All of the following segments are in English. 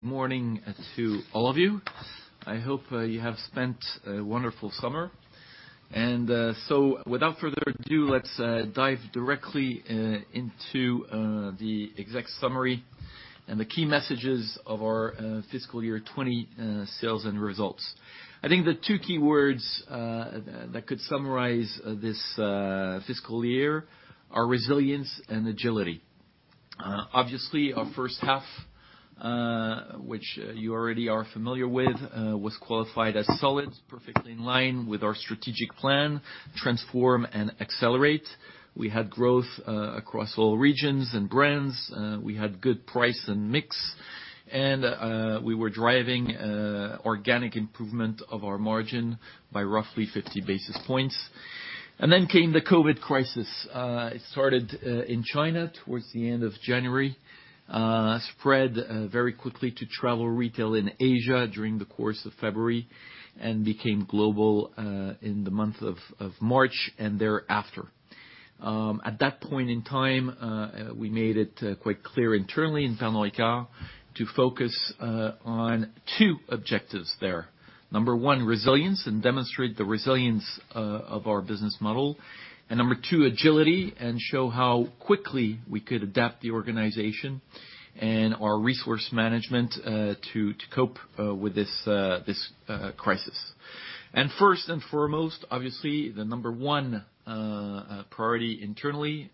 Morning to all of you. I hope you have spent a wonderful summer. Without further ado, let's dive directly into the exec summary and the key messages of our fiscal year 2020 sales and results. I think the two key words that could summarize this fiscal year are resilience and agility. Obviously, our first half, which you already are familiar with, was qualified as solid, perfectly in line with our strategic plan, Transform & Accelerate. We had growth across all regions and brands. We had good price and mix, and we were driving organic improvement of our margin by roughly 50 basis points. Came the COVID-19 crisis. It started in China towards the end of January, spread very quickly to travel retail in Asia during the course of February, and became global in the month of March and thereafter. At that point in time, we made it quite clear internally in Pernod Ricard to focus on two objectives there. Number 1, resilience, demonstrate the resilience of our business model. Number 2, agility, show how quickly we could adapt the organization and our resource management to cope with this crisis. First and foremost, obviously, the number 1 priority internally,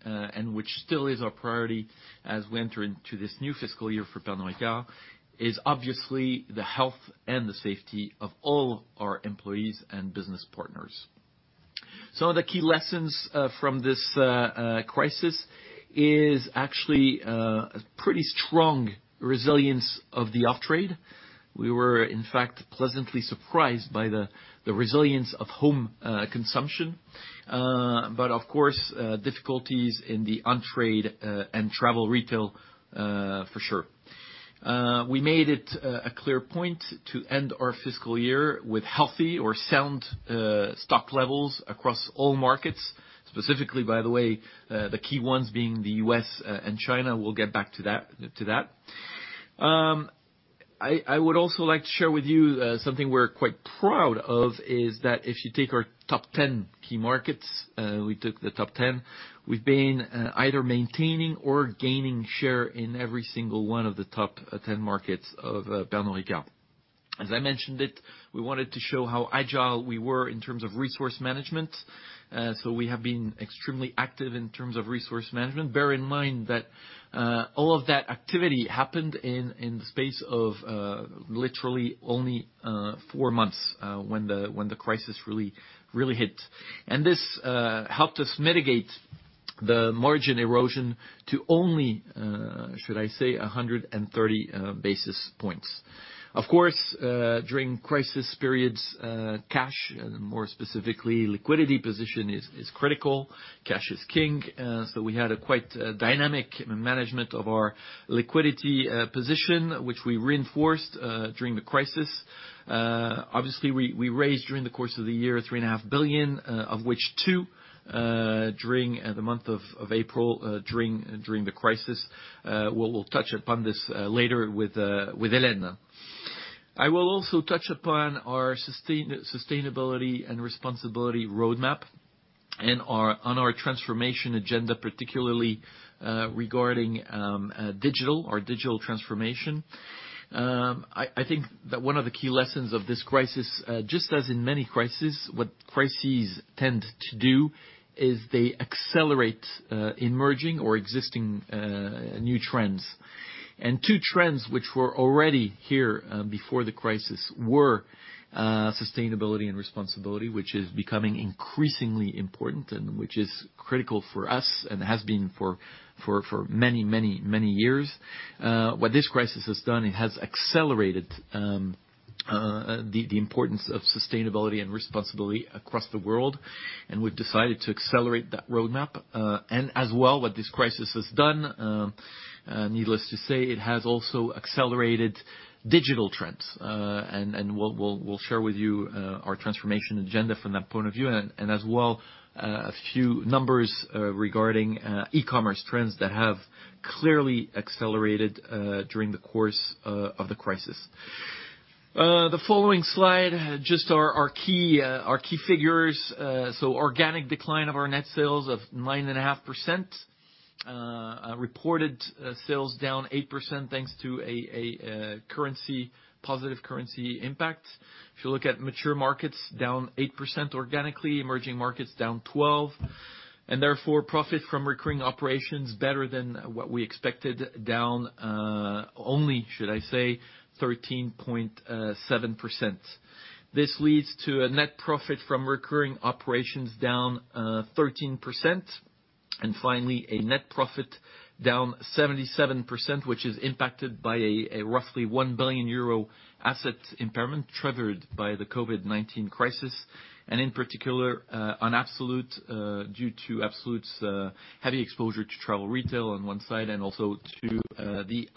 which still is our priority as we enter into this new fiscal year for Pernod Ricard, is obviously the health and the safety of all our employees and business partners. The key lessons from this crisis is actually a pretty strong resilience of the off-trade. We were, in fact, pleasantly surprised by the resilience of home consumption. Of course, difficulties in the on-trade and travel retail for sure. We made it a clear point to end our fiscal year with healthy or sound stock levels across all markets. Specifically, by the way, the key ones being the U.S. and China. We'll get back to that. I would also like to share with you something we're quite proud of, is that if you take our top 10 key markets, we took the top 10, we've been either maintaining or gaining share in every single one of the top 10 markets of Pernod Ricard. As I mentioned it, we wanted to show how agile we were in terms of resource management. We have been extremely active in terms of resource management. Bear in mind that all of that activity happened in the space of literally only four months, when the crisis really hit. This helped us mitigate the margin erosion to only, should I say, 130 basis points. Of course, during crisis periods, cash, and more specifically, liquidity position, is critical. Cash is king. We had a quite dynamic management of our liquidity position, which we reinforced during the crisis. Obviously, we raised during the course of the year 3.5 billion, of which 2 billion during the month of April, during the crisis. We'll touch upon this later with Hélène. I will also touch upon our sustainability and responsibility roadmap and on our transformation agenda, particularly regarding digital, our digital transformation. I think that one of the key lessons of this crisis, just as in many crises, what crises tend to do is they accelerate emerging or existing new trends. Two trends which were already here before the crisis were sustainability and responsibility, which is becoming increasingly important and which is critical for us and has been for many years. What this crisis has done, it has accelerated the importance of sustainability and responsibility across the world, and we've decided to accelerate that roadmap. As well, what this crisis has done, needless to say, it has also accelerated digital trends. We'll share with you our transformation agenda from that point of view, as well, a few numbers regarding e-commerce trends that have clearly accelerated during the course of the crisis. The following slide, just our key figures. Organic decline of our net sales of 9.5%. Reported sales down 8% thanks to a positive currency impact. If you look at mature markets, down 8% organically, emerging markets down 12%. Therefore, profit from recurring operations better than what we expected, down only, should I say, 13.7%. This leads to a net profit from recurring operations down 13%. Finally, a net profit down 77%, which is impacted by a roughly 1 billion euro asset impairment triggered by the COVID-19 crisis, and in particular on Absolut, due to Absolut's heavy exposure to travel retail on one side, and also to the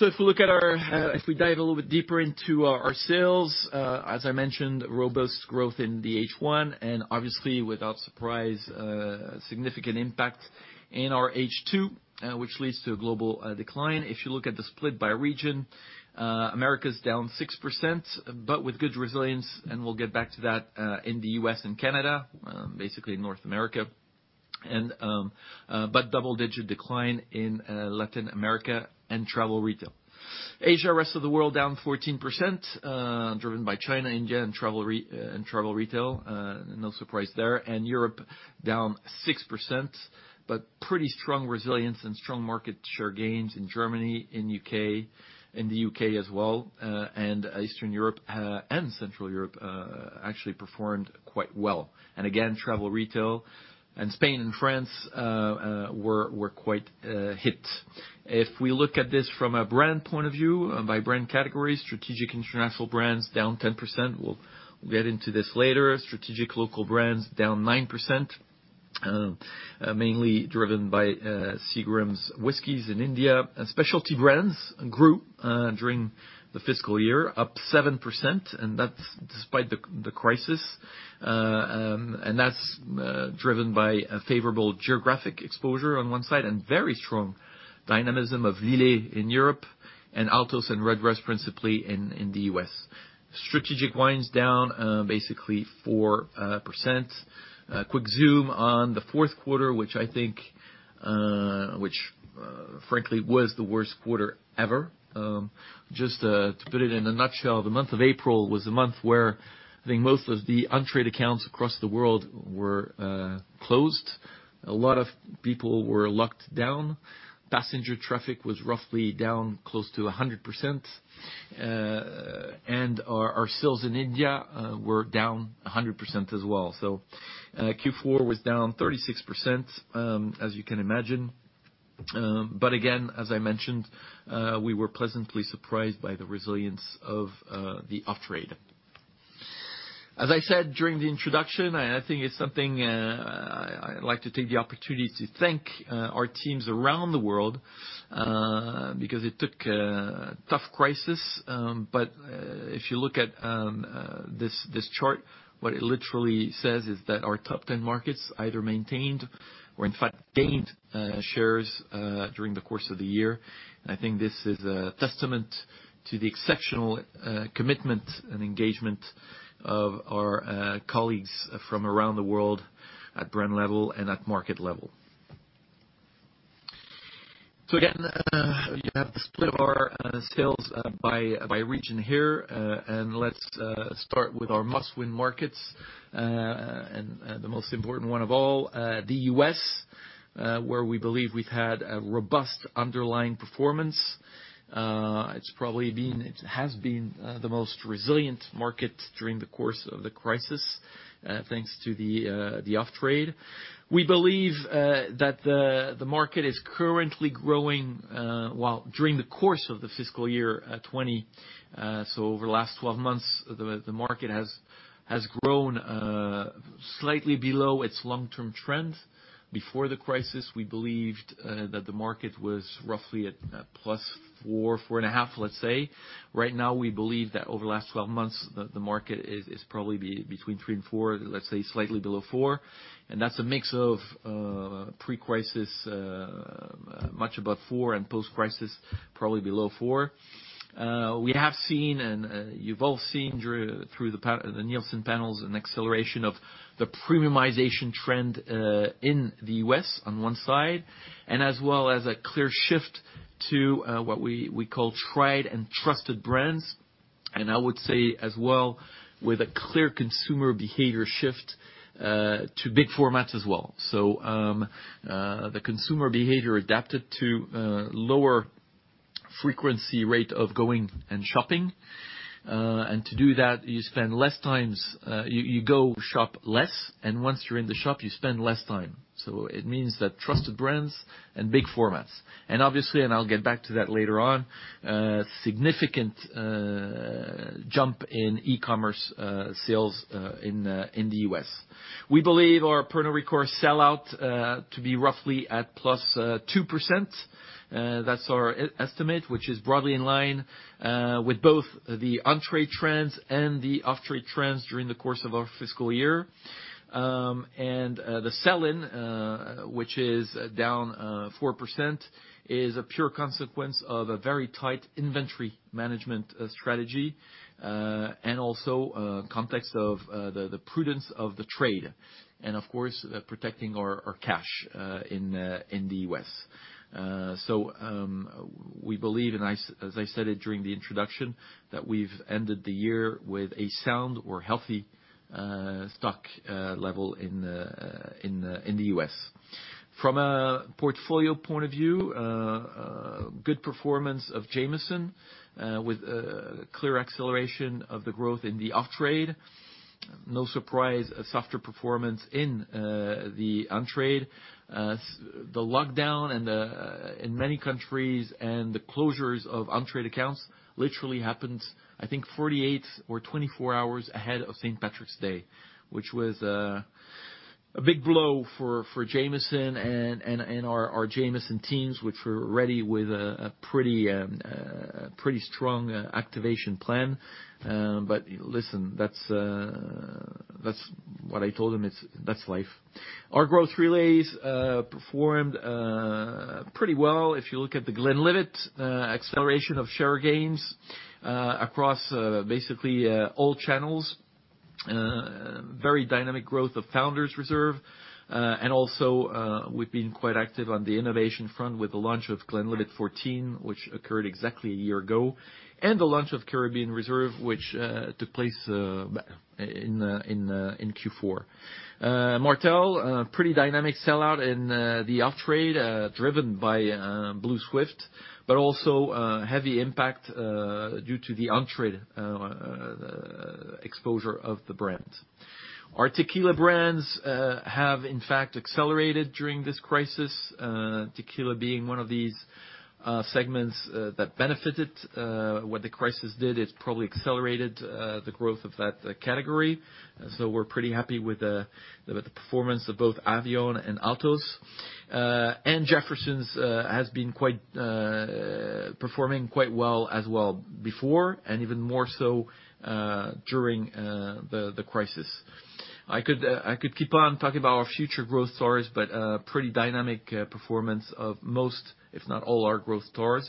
on-trade. If we dive a little bit deeper into our sales, as I mentioned, robust growth in the H1, and obviously without surprise, significant impact in our H2, which leads to a global decline. If you look at the split by region, Americas down 6%, but with good resilience, and we'll get back to that in the U.S. and Canada. Basically, North America. Double-digit decline in Latin America and travel retail. Asia, Rest of the World down 14%, driven by China, India, and travel retail. No surprise there. Europe down 6%, but pretty strong resilience and strong market share gains in Germany, in the U.K. as well, and Eastern Europe and Central Europe actually performed quite well. Again, travel retail and Spain and France were quite hit. If we look at this from a brand point of view, by brand category, strategic international brands down 10%. We'll get into this later. Strategic local brands down 9%, mainly driven by Seagram's whiskeys in India. Specialty brands grew during the fiscal year, up 7%, that's despite the crisis. That's driven by a favorable geographic exposure on one side and very strong dynamism of Lillet in Europe and Altos and Redbreast principally in the U.S. Strategic wines down basically 4%. A quick zoom on the fourth quarter, which frankly was the worst quarter ever. Just to put it in a nutshell, the month of April was a month where I think most of the on-trade accounts across the world were closed. A lot of people were locked down. Passenger traffic was roughly down close to 100%, and our sales in India were down 100% as well. Q4 was down 36%, as you can imagine. Again, as I mentioned, we were pleasantly surprised by the resilience of the off-trade. As I said during the introduction, and I think it's something I'd like to take the opportunity to thank our teams around the world, because it took a tough crisis. If you look at this chart, what it literally says is that our top 10 markets either maintained or in fact gained shares during the course of the year. I think this is a testament to the exceptional commitment and engagement of our colleagues from around the world at brand level and at market level. Again, you have the split of our sales by region here. Let's start with our must-win markets. The most important one of all, the U.S., where we believe we've had a robust underlying performance. It has been the most resilient market during the course of the crisis, thanks to the off-trade. We believe that the market is currently growing, well, during the course of the fiscal year 2020. Over the last 12 months, the market has grown slightly below its long-term trend. Before the crisis, we believed that the market was roughly at +4.5%, let's say. Right now, we believe that over the last 12 months, the market is probably between 3%-4%, let's say slightly below four. That's a mix of pre-crisis, much above four, and post-crisis, probably below four. We have seen, and you've all seen through the Nielsen panels, an acceleration of the premiumization trend in the U.S. on one side, and as well as a clear shift to what we call tried and trusted brands. I would say as well, with a clear consumer behavior shift to big formats as well. The consumer behavior adapted to lower frequency rate of going and shopping. To do that, you go shop less, and once you're in the shop, you spend less time. It means that trusted brands and big formats. Obviously, and I'll get back to that later on, significant jump in e-commerce sales in the U.S. We believe our Pernod Ricard sell out to be roughly at +2%. That's our estimate, which is broadly in line with both the on-trade trends and the off-trade trends during the course of our fiscal year. The sell-in, which is -4%, is a pure consequence of a very tight inventory management strategy, and also context of the prudence of the trade. Of course, protecting our cash in the U.S. We believe, and as I said it during the introduction, that we've ended the year with a sound or healthy stock level in the U.S. From a portfolio point of view, good performance of Jameson, with a clear acceleration of the growth in the off-trade. No surprise, a softer performance in the on-trade. The lockdown in many countries and the closures of on-trade accounts literally happened, I think 48 or 24 hours ahead of St. Patrick's Day, which was a big blow for Jameson and our Jameson teams, which were ready with a pretty strong activation plan. Listen, that's what I told them, that's life. Our growth relays performed pretty well. If you look at The Glenlivet, acceleration of share gains across basically all channels. Very dynamic growth of Founder's Reserve. Also, we've been quite active on the innovation front with the launch of Glenlivet 14, which occurred exactly a year ago, and the launch of Caribbean Reserve, which took place in Q4. Martell, pretty dynamic sell-out in the off-trade, driven by Blue Swift, but also heavy impact due to the on-trade exposure of the brand. Our tequila brands have, in fact, accelerated during this crisis, tequila being one of these segments that benefited. What the crisis did, it probably accelerated the growth of that category. We're pretty happy with the performance of both Avión and Altos. Jefferson's has been performing quite well as well before, and even more so during the crisis. I could keep on talking about our future growth stories, but pretty dynamic performance of most, if not all, our growth stories.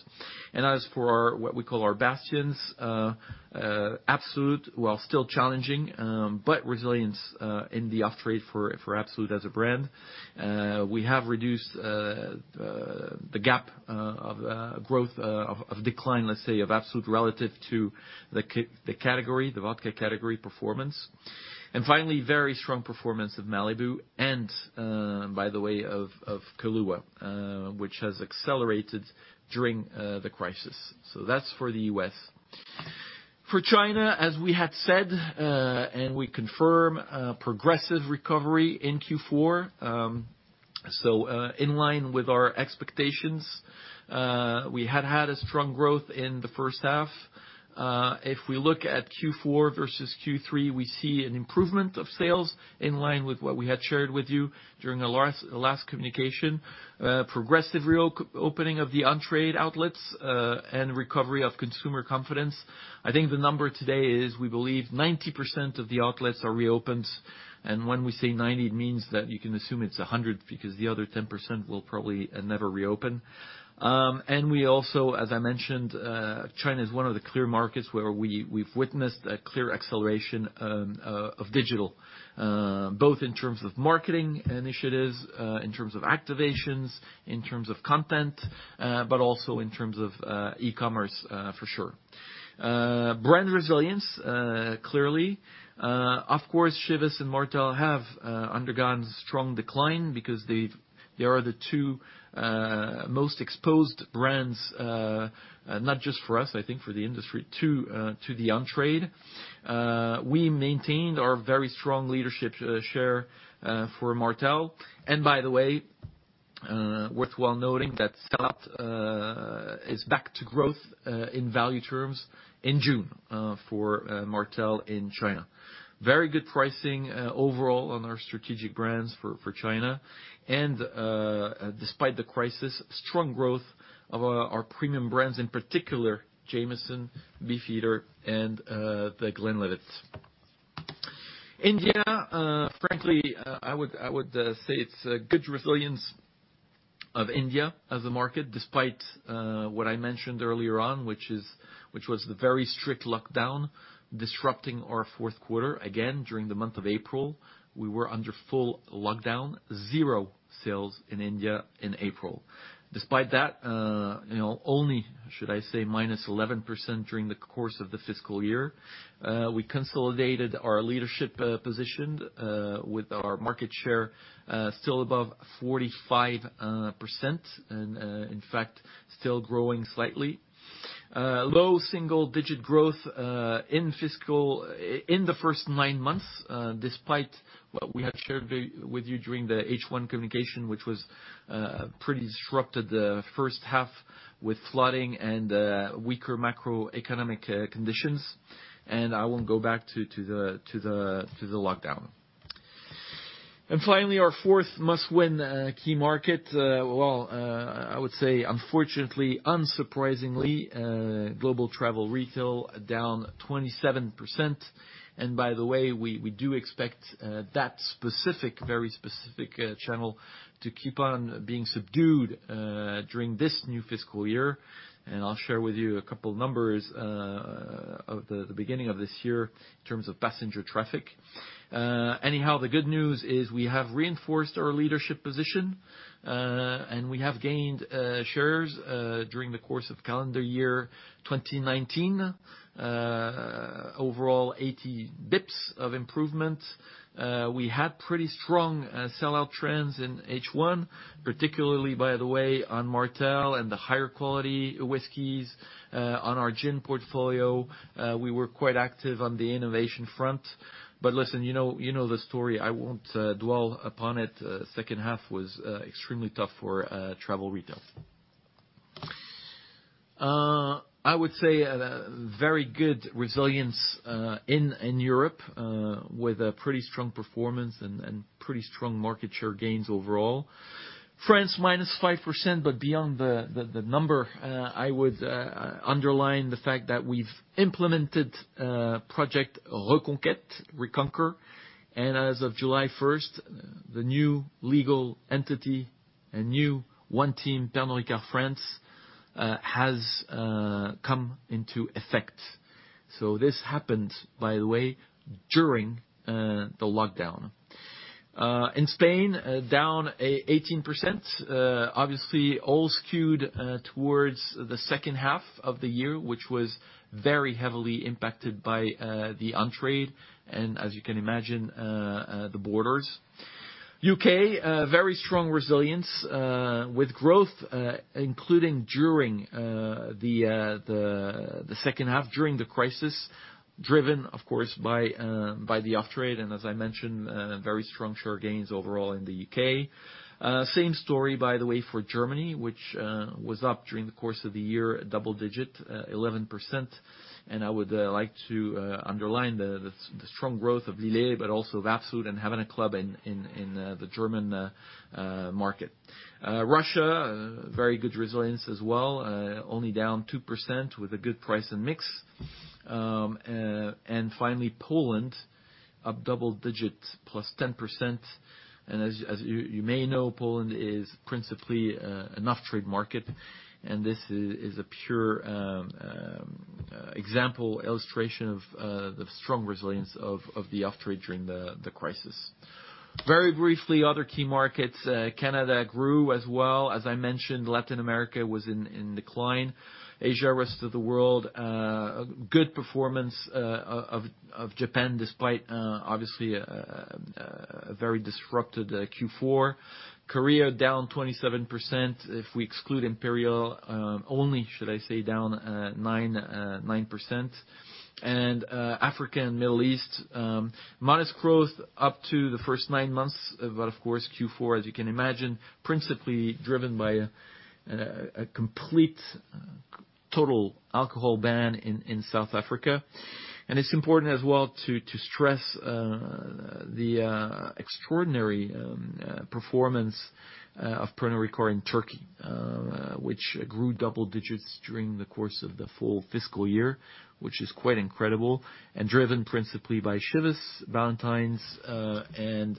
As for what we call our bastions, Absolut, while still challenging, but resilience in the off-trade for Absolut as a brand. We have reduced the gap of decline, let's say, of Absolut relative to the category, the vodka category performance. Finally, very strong performance of Malibu and, by the way, of Kahlúa, which has accelerated during the crisis. That's for the U.S. For China, as we had said, and we confirm, progressive recovery in Q4. In line with our expectations. We had had a strong growth in the first half. If we look at Q4 versus Q3, we see an improvement of sales in line with what we had shared with you during our last communication. Progressive reopening of the on-trade outlets, and recovery of consumer confidence. I think the number today is, we believe 90% of the outlets are reopened. When we say 90, it means that you can assume it's 100, because the other 10% will probably never reopen. We also, as I mentioned, China is one of the clear markets where we've witnessed a clear acceleration of digital, both in terms of marketing initiatives, in terms of activations, in terms of content, but also in terms of e-commerce, for sure. Brand resilience, clearly. Of course, Chivas and Martell have undergone strong decline because they are the two most exposed brands, not just for us, I think for the industry too, to the on-trade. We maintained our very strong leadership share for Martell. By the way, worthwhile noting that sellout is back to growth in value terms in June for Martell in China. Very good pricing overall on our strategic brands for China. Despite the crisis, strong growth of our premium brands, in particular Jameson, Beefeater, and The Glenlivet. India, frankly, I would say it's a good resilience of India as a market, despite what I mentioned earlier on, which was the very strict lockdown disrupting our fourth quarter. Again, during the month of April, we were under full lockdown, zero sales in India in April. Despite that, only, should I say, -11% during the course of the fiscal year. We consolidated our leadership position with our market share still above 45%, in fact, still growing slightly. Low single-digit growth in the first nine months, despite what we had shared with you during the H1 communication, which was pretty disrupted the first half with flooding and weaker macroeconomic conditions. I won't go back to the lockdown. Finally, our fourth must-win key market. Well, I would say unfortunately, unsurprisingly, global travel retail down 27%. By the way, we do expect that very specific channel to keep on being subdued during this new fiscal year. I'll share with you a couple numbers of the beginning of this year in terms of passenger traffic. Anyhow, the good news is we have reinforced our leadership position, and we have gained shares during the course of calendar year 2019. Overall 80 basis points of improvement. We had pretty strong sellout trends in H1, particularly, by the way, on Martell and the higher quality whiskeys. On our gin portfolio, we were quite active on the innovation front. Listen, you know the story. I won't dwell upon it. Second half was extremely tough for travel retail. I would say at a very good resilience in Europe with a pretty strong performance and pretty strong market share gains overall. France, -5%, beyond the number, I would underline the fact that we've implemented Project Reconquête, Reconquer, and as of July 1st, the new legal entity, a new One Team Pernod Ricard France has come into effect. This happened, by the way, during the lockdown. In Spain, down 18%. Obviously, all skewed towards the second half of the year, which was very heavily impacted by the on-trade and, as you can imagine, the borders. U.K., very strong resilience with growth, including during the second half, during the crisis, driven, of course, by the off-trade and, as I mentioned, very strong share gains overall in the U.K. Same story, by the way, for Germany, which was up during the course of the year, double digit, 11%. I would like to underline the strong growth of Lillet but also Absolut and Havana Club in the German market. Russia, very good resilience as well, only down 2% with a good price and mix. Finally, Poland, up double digits, +10%. As you may know, Poland is principally an off-trade market, and this is a pure example, illustration of the strong resilience of the off-trade during the crisis. Very briefly, other key markets, Canada grew as well. As I mentioned, Latin America was in decline. Asia, rest of the world, good performance of Japan, despite obviously a very disrupted Q4. Korea, down 27%. If we exclude Imperial only, should I say, down 9%. Africa and Middle East, modest growth up to the first nine months, but of course, Q4, as you can imagine, principally driven by a complete total alcohol ban in South Africa. It's important as well to stress the extraordinary performance of Pernod Ricard in Turkey, which grew double digits during the course of the full fiscal year, which is quite incredible, and driven principally by Chivas, Ballantine's, and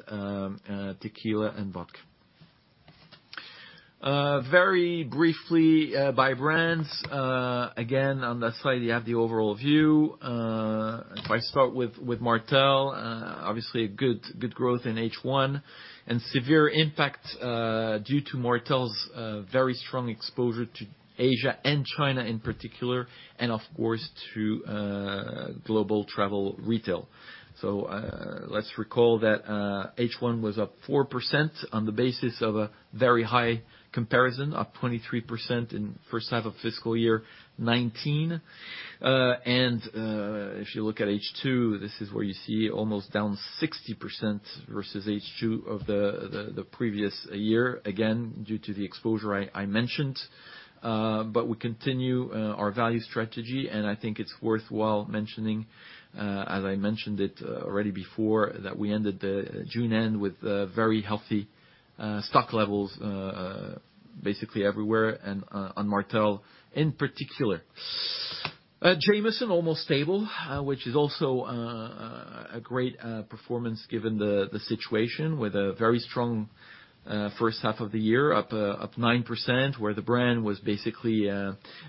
tequila and vodka. Very briefly, by brands. Again, on that slide, you have the overall view. If I start with Martell, obviously a good growth in H1 and severe impact due to Martell's very strong exposure to Asia and China in particular, and of course, to global travel retail. Let's recall that H1 was up 4% on the basis of a very high comparison, up 23% in first half of FY 2019. If you look at H2, this is where you see almost down 60% versus H2 of the previous year, again, due to the exposure I mentioned. We continue our value strategy, and I think it's worthwhile mentioning, as I mentioned it already before, that we ended June-end with very healthy stock levels basically everywhere and on Martell in particular. Jameson, almost stable, which is also a great performance given the situation with a very strong first half of the year, up 9%, where the brand was basically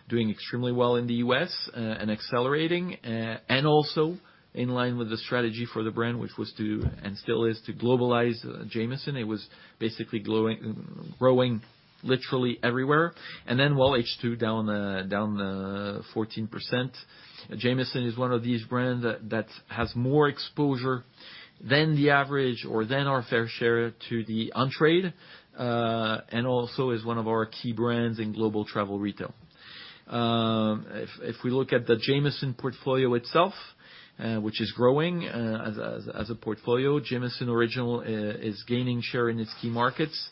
doing extremely well in the U.S. and accelerating. Also in line with the strategy for the brand, which was to, and still is, to globalize Jameson. It was basically growing literally everywhere. While H2 down 14%. Jameson is one of these brands that has more exposure than the average or than our fair share to the on-trade, and also is one of our key brands in global travel retail. If we look at the Jameson portfolio itself, which is growing as a portfolio, Jameson Original is gaining share in its key markets.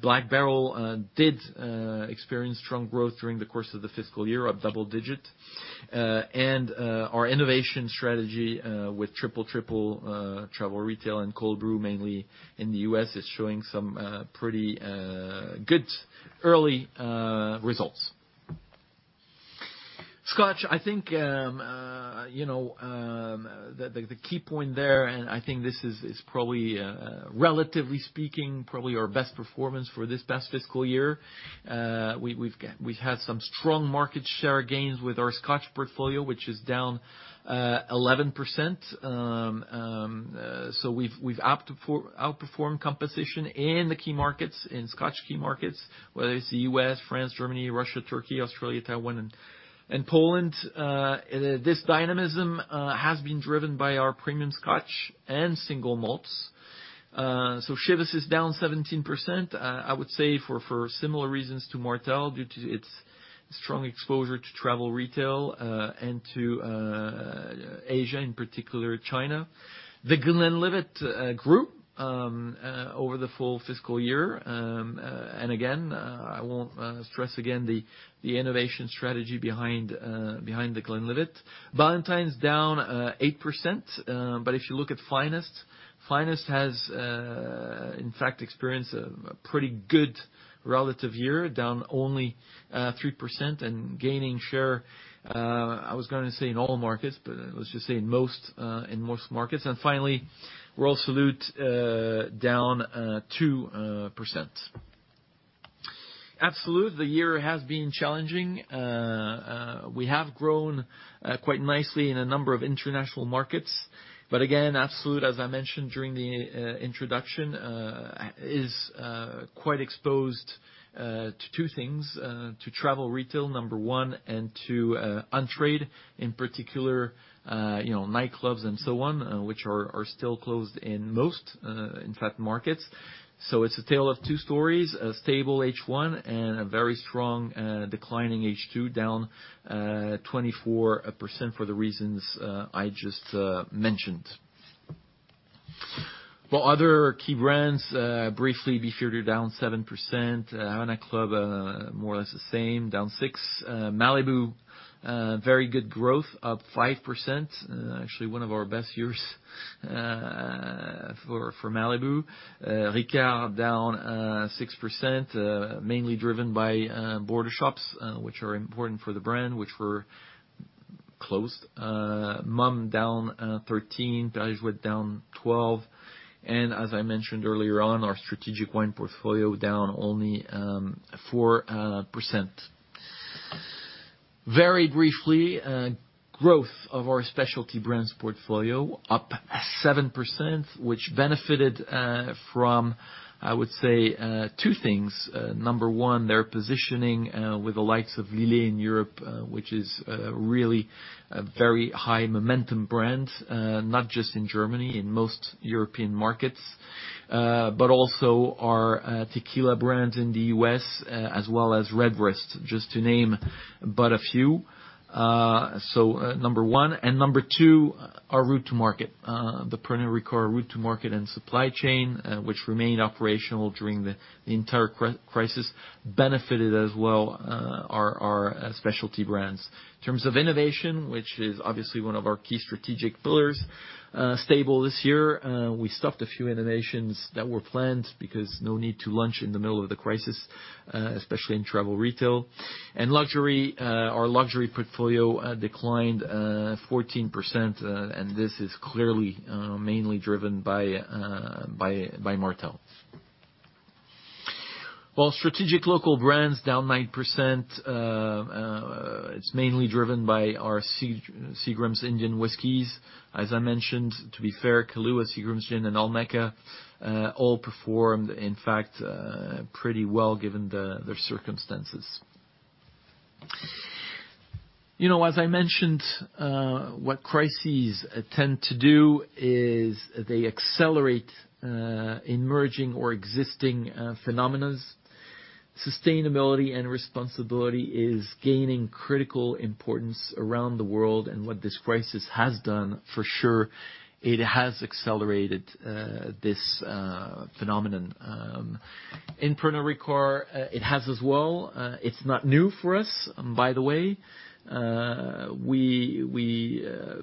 Black Barrel did experience strong growth during the course of the fiscal year, up double digit. Our innovation strategy with Triple Triple travel retail and Cold Brew, mainly in the U.S., is showing some pretty good early results. Scotch, I think the key point there, I think this is probably, relatively speaking, probably our best performance for this past fiscal year. We've had some strong market share gains with our Scotch portfolio, which is down 11%. We've outperformed competition in the key markets, in Scotch key markets, whether it's the U.S., France, Germany, Russia, Turkey, Australia, Taiwan, and Poland. This dynamism has been driven by our premium Scotch and single malts. Chivas is down 17%. I would say for similar reasons to Martell, due to its strong exposure to travel retail, and to Asia, in particular, China. The Glenlivet grew over the full fiscal year. Again, I won't stress again the innovation strategy behind The Glenlivet. Ballantine's down 8%, but if you look at Finest has, in fact, experienced a pretty good relative year, down only 3% and gaining share, I was going to say in all markets, but let's just say in most markets. Finally, Royal Salute down 2%. Absolut, the year has been challenging. We have grown quite nicely in a number of international markets. Absolut, as I mentioned during the introduction, is quite exposed to two things: to travel retail, number 1, and to on-trade, in particular, nightclubs and so on, which are still closed in most, in fact, markets. It's a tale of two stories, a stable H1 and a very strong declining H2, down 24% for the reasons I just mentioned. For other key brands, briefly, Beefeater down 7%. Havana Club, more or less the same, down 6%. Malibu, very good growth, up 5%. Actually, one of our best years for Malibu. Ricard down 6%, mainly driven by border shops, which are important for the brand, which were closed. Mumm down 13%, Perrier-Jouët down 12%, and as I mentioned earlier on, our strategic wine portfolio down only 4%. Very briefly, growth of our specialty brands portfolio up 7%, which benefited from, I would say, two things. Number one, their positioning with the likes of Lillet in Europe, which is really a very high momentum brand, not just in Germany, in most European markets. Also our tequila brand in the U.S. as well as Redbreast, just to name but a few. Number one. Number two, our route to market. The Pernod Ricard route to market and supply chain, which remained operational during the entire crisis, benefited as well our specialty brands. In terms of innovation, which is obviously one of our key strategic pillars, stable this year. We stopped a few innovations that were planned because no need to launch in the middle of the crisis, especially in travel retail. Luxury, our luxury portfolio declined 14%, and this is clearly mainly driven by Martell. While strategic local brands down 9%, it's mainly driven by our Seagram's Indian whiskeys. As I mentioned, to be fair, Kahlúa, Seagram's Gin, and Olmeca all performed, in fact, pretty well given their circumstances. As I mentioned, what crises tend to do is they accelerate emerging or existing phenomena. Sustainability and responsibility is gaining critical importance around the world. What this crisis has done, for sure, it has accelerated this phenomenon. In Pernod Ricard, it has as well. It's not new for us, by the way.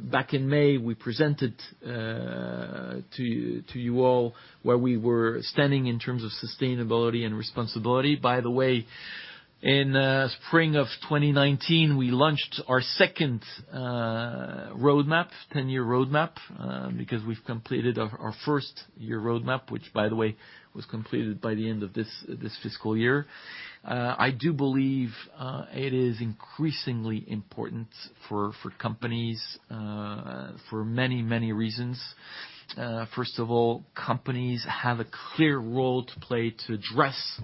Back in May, we presented to you all where we were standing in terms of sustainability and responsibility. By the way, in spring of 2019, we launched our second roadmap, 10-year roadmap, because we've completed our first-year roadmap, which, by the way, was completed by the end of this fiscal year. I do believe it is increasingly important for companies for many reasons. Companies have a clear role to play to address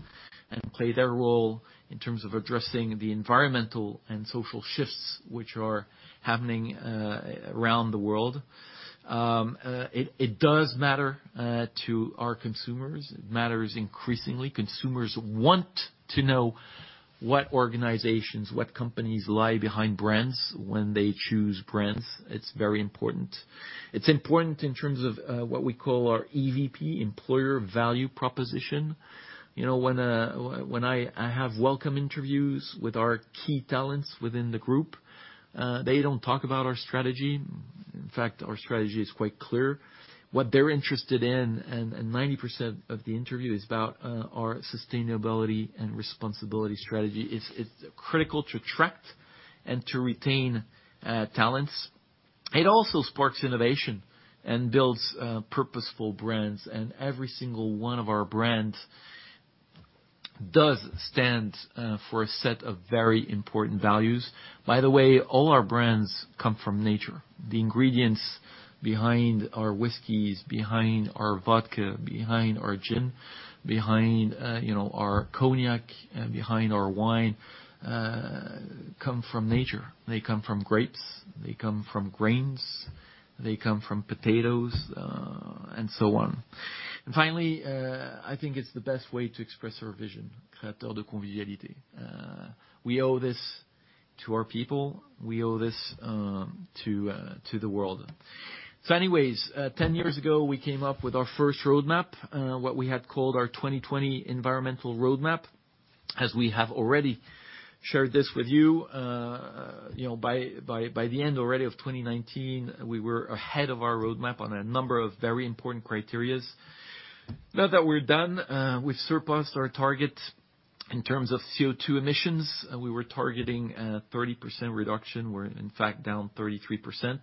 and play their role in terms of addressing the environmental and social shifts which are happening around the world. It does matter to our consumers. It matters increasingly. Consumers want to know what organizations, what companies lie behind brands when they choose brands. It's very important. It's important in terms of what we call our EVP, employer value proposition. When I have welcome interviews with our key talents within the group, they don't talk about our strategy. In fact, our strategy is quite clear. What they're interested in, and 90% of the interview is about our sustainability and responsibility strategy. It's critical to attract and to retain talents. It also sparks innovation and builds purposeful brands, and every single one of our brands does stand for a set of very important values. All our brands come from nature. The ingredients behind our whiskeys, behind our vodka, behind our gin, behind our cognac, behind our wine, come from nature. They come from grapes. They come from grains. They come from potatoes, and so on. Finally, I think it's the best way to express our vision, Créateurs de Convivialité. We owe this to our people, we owe this to the world. Anyways, 10 years ago, we came up with our first roadmap, what we had called our 2020 environmental roadmap, as we have already shared this with you. By the end already of 2019, we were ahead of our roadmap on a number of very important criteria. Now that we're done, we've surpassed our target in terms of CO2 emissions. We were targeting a 30% reduction. We're in fact down 33%.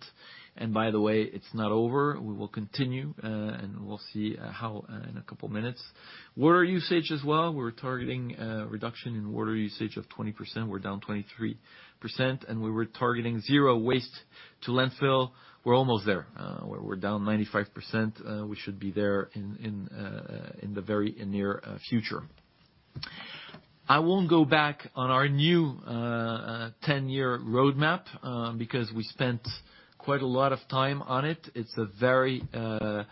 It's not over. We will continue. We'll see how in a couple of minutes. Water usage as well. We were targeting a reduction in water usage of 20%. We're down 23%. We were targeting zero waste to landfill. We're almost there. We're down 95%. We should be there in the very near future. I won't go back on our new 10-year roadmap, because we spent quite a lot of time on it. It's a very detailed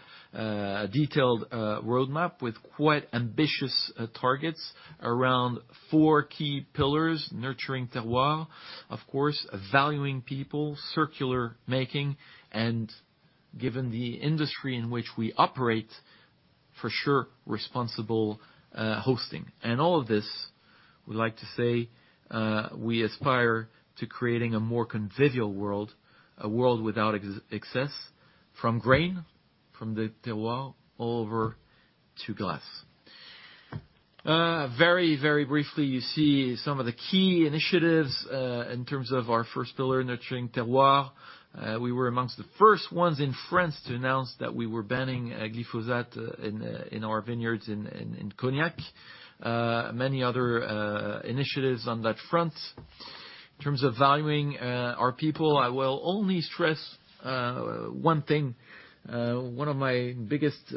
roadmap with quite ambitious targets around four key pillars: nurturing terroir, of course, valuing people, circular making, and given the industry in which we operate, for sure, responsible hosting. All of this, we like to say, we aspire to creating a more convivial world, a world without excess, from grain, from the terroir, all over to glass. Very briefly, you see some of the key initiatives, in terms of our first pillar, nurturing terroir. We were among the first ones in France to announce that we were banning glyphosate in our vineyards in Cognac. Many other initiatives on that front. In terms of valuing our people, I will only stress one thing, one of my biggest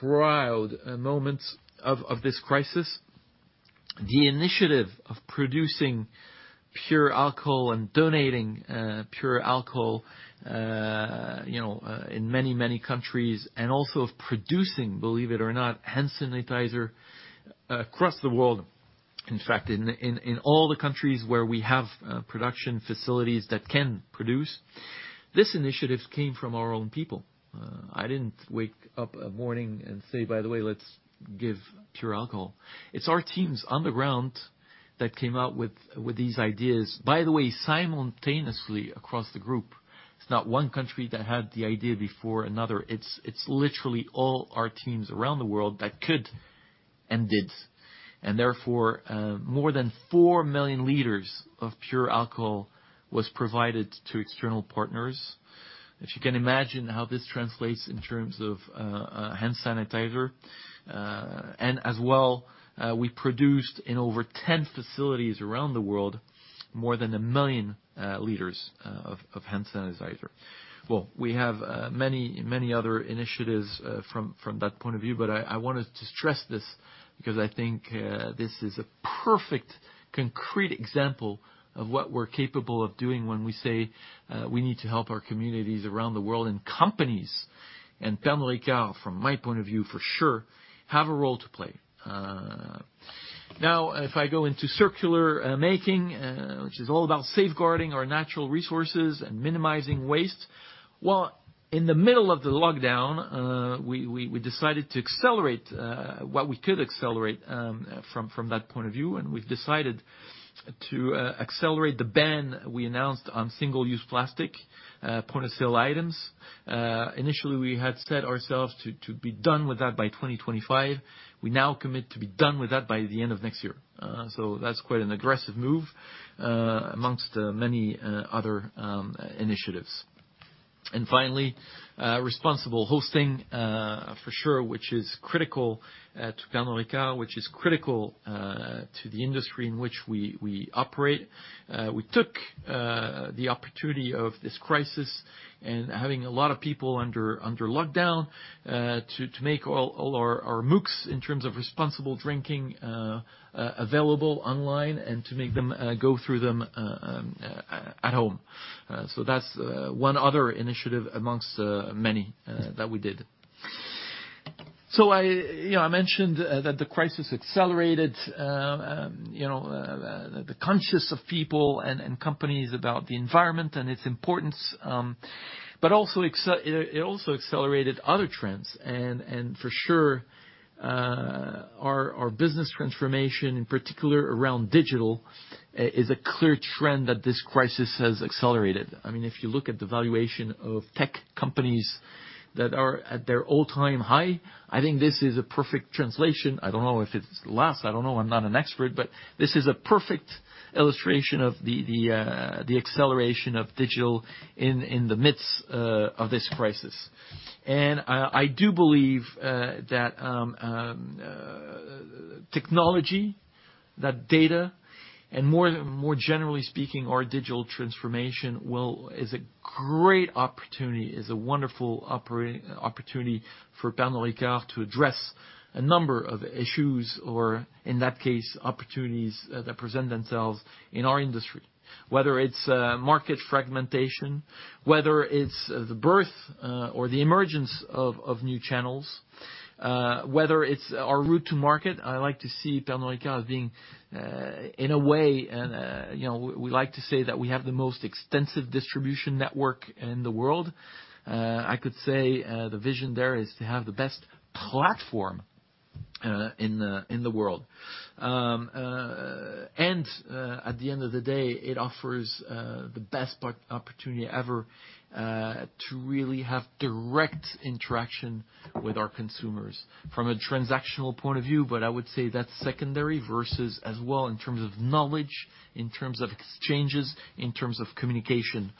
proud moments of this crisis, the initiative of producing pure alcohol and donating pure alcohol in many countries. Also of producing, believe it or not, hand sanitizer across the world. In fact, in all the countries where we have production facilities that can produce. This initiative came from our own people. I didn't wake up a morning and say, "By the way, let's give pure alcohol." It's our teams on the ground that came out with these ideas. By the way, simultaneously across the group. It's not one country that had the idea before another. It's literally all our teams around the world that could and did. More than 4 million L of pure alcohol was provided to external partners. If you can imagine how this translates in terms of hand sanitizer. We produced in over 10 facilities around the world, more than 1 million L of hand sanitizer. We have many other initiatives from that point of view, but I wanted to stress this because I think this is a perfect, concrete example of what we're capable of doing when we say, we need to help our communities around the world. Companies, and Pernod Ricard, from my point of view, for sure, have a role to play. If I go into circular making, which is all about safeguarding our natural resources and minimizing waste. Well, in the middle of the lockdown, we decided to accelerate what we could accelerate from that point of view, we've decided to accelerate the ban we announced on single-use plastic point-of-sale items. Initially, we had set ourselves to be done with that by 2025. We now commit to be done with that by the end of next year. That's quite an aggressive move, amongst many other initiatives. Finally, responsible hosting, for sure, which is critical to Pernod Ricard, which is critical to the industry in which we operate. We took the opportunity of this crisis and having a lot of people under lockdown, to make all our MOOCs, in terms of responsible drinking, available online and to make them go through them at home. That's one other initiative amongst many that we did. I mentioned that the crisis accelerated the conscious of people and companies about the environment and its importance. It also accelerated other trends. For sure, our business transformation, in particular around digital, is a clear trend that this crisis has accelerated. If you look at the valuation of tech companies that are at their all-time high, I think this is a perfect translation. I don't know if it's last. I don't know. I'm not an expert. This is a perfect illustration of the acceleration of digital in the midst of this crisis. I do believe that technology, that data, and more generally speaking, our digital transformation is a great opportunity, is a wonderful opportunity for Pernod Ricard to address a number of issues, or in that case, opportunities that present themselves in our industry. Whether it's market fragmentation, whether it's the birth or the emergence of new channels, whether it's our route to market. I like to see Pernod Ricard as being, in a way, we like to say that we have the most extensive distribution network in the world. I could say the vision there is to have the best platform in the world. At the end of the day, it offers the best opportunity ever to really have direct interaction with our consumers from a transactional point of view, but I would say that's secondary versus as well in terms of knowledge, in terms of exchanges, in terms of communication.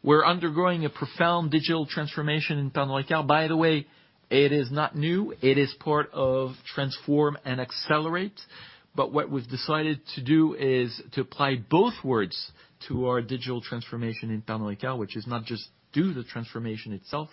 We're undergoing a profound digital transformation in Pernod Ricard. By the way, it is not new. It is part of Transform & Accelerate. What we've decided to do is to apply both words to our digital transformation in Pernod Ricard, which is not just do the transformation itself,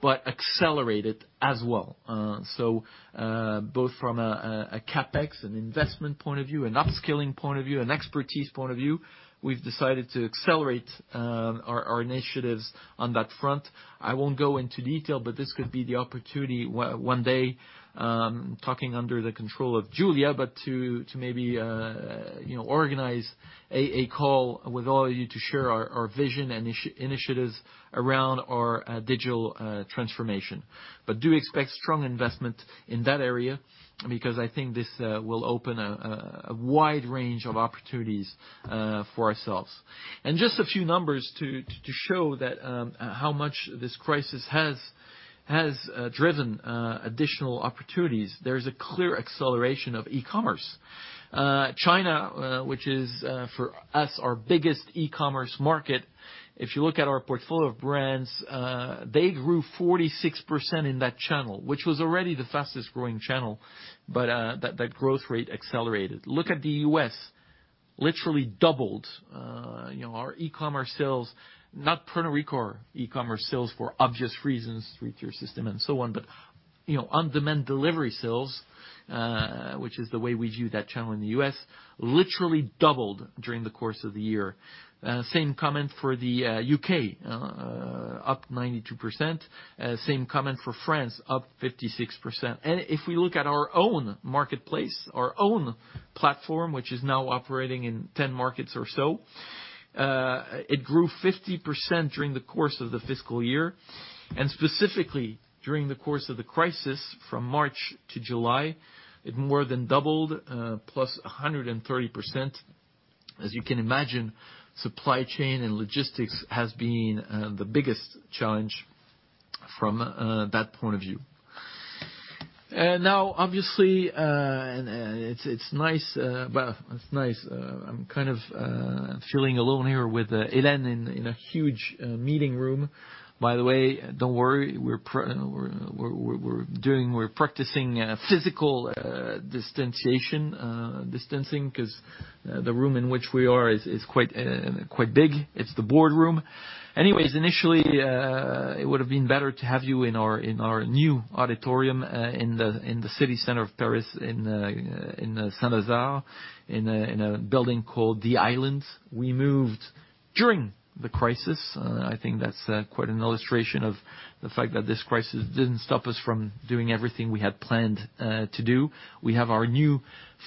but accelerate it as well. Both from a CapEx and investment point of view, an upskilling point of view, an expertise point of view, we've decided to accelerate our initiatives on that front. I won't go into detail, this could be the opportunity one day, talking under the control of Julia, to maybe organize a call with all of you to share our vision and initiatives around our digital transformation. Do expect strong investment in that area, because I think this will open a wide range of opportunities for ourselves. Just a few numbers to show how much this crisis has driven additional opportunities. There's a clear acceleration of e-commerce. China, which is for us, our biggest e-commerce market, if you look at our portfolio of brands, they grew 46% in that channel. Which was already the fastest-growing channel, that growth rate accelerated. Look at the U.S., literally doubled our e-commerce sales, not Pernod Ricard e-commerce sales for obvious reasons, three-tier system and so on. On-demand delivery sales, which is the way we view that channel in the U.S., literally doubled during the course of the year. Same comment for the U.K., up 92%. Same comment for France, up 56%. If we look at our own marketplace, our own platform, which is now operating in 10 markets or so, it grew 50% during the course of the fiscal year. Specifically, during the course of the crisis from March to July, it more than doubled, +130%. As you can imagine, supply chain and logistics has been the biggest challenge from that point of view. Obviously, it's nice, I'm kind of feeling alone here with Hélène in a huge meeting room. By the way, don't worry, we're practicing physical distancing because the room in which we are is quite big. It's the boardroom. Initially, it would have been better to have you in our new auditorium in the city center of Paris in Saint-Lazare in a building called The Island. We moved during the crisis. I think that is quite an illustration of the fact that this crisis didn't stop us from doing everything we had planned to do. We have our new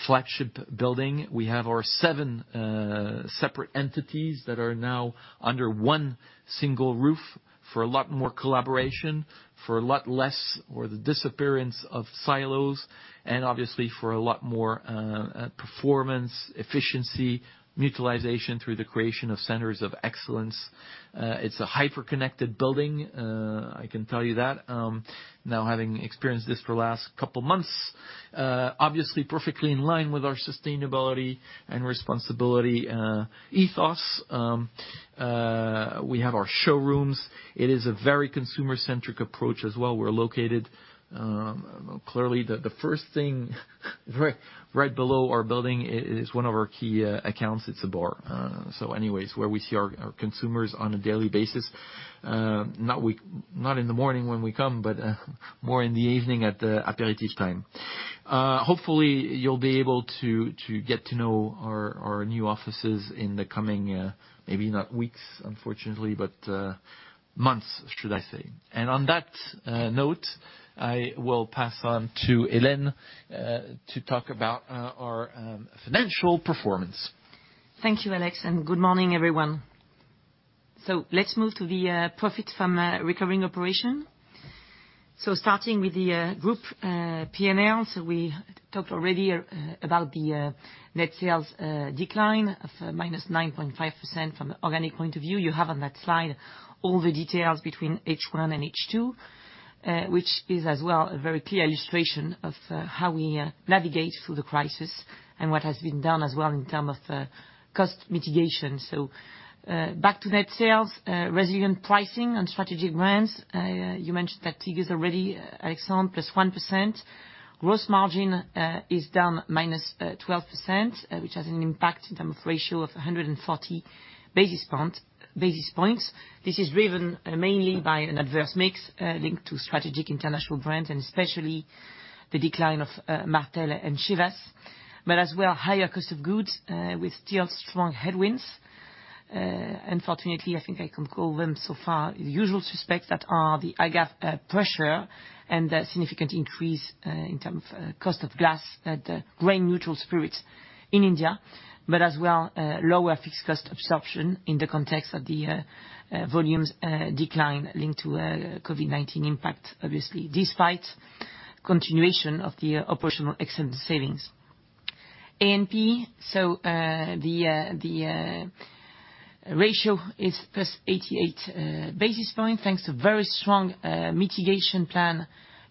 flagship building. We have our seven separate entities that are now under one single roof for a lot more collaboration, for a lot less, or the disappearance of silos, and obviously for a lot more performance, efficiency, mutualization through the creation of centers of excellence. It is a hyper-connected building, I can tell you that. Having experienced this for the last couple of months, obviously perfectly in line with our sustainability and responsibility ethos. We have our showrooms. It is a very consumer-centric approach as well. We're located, clearly the first thing right below our building is one of our key accounts. It's a bar. Anyways, where we see our consumers on a daily basis, not in the morning when we come, but more in the evening at the aperitif time. Hopefully, you'll be able to get to know our new offices in the coming, maybe not weeks, unfortunately, but months, should I say. On that note, I will pass on to Hélène to talk about our financial performance. Thank you, Alex, and good morning, everyone. Let's move to the profit from recurring operation. Starting with the group P&L, we talked already about the net sales decline of -9.5% from the organic point of view. You have on that slide all the details between H1 and H2, which is as well a very clear illustration of how we navigate through the crisis and what has been done as well in terms of cost mitigation. Back to net sales, resilient pricing, and strategic brands. You mentioned that figures already, Alexandre, +1%. Gross margin is down -12%, which has an impact in term of ratio of 140 basis points. This is driven mainly by an adverse mix linked to strategic international brands and especially the decline of Martell and Chivas, but as well higher cost of goods with still strong headwinds. Unfortunately, I think I can call them so far the usual suspects that are the agave pressure and the significant increase in terms of cost of glass that grain-neutral spirits in India, but as well, lower fixed cost absorption in the context of the volumes decline linked to a COVID-19 impact, obviously, despite continuation of the operational expense savings. A&P, so the ratio is +88 basis points, thanks to very strong mitigation plan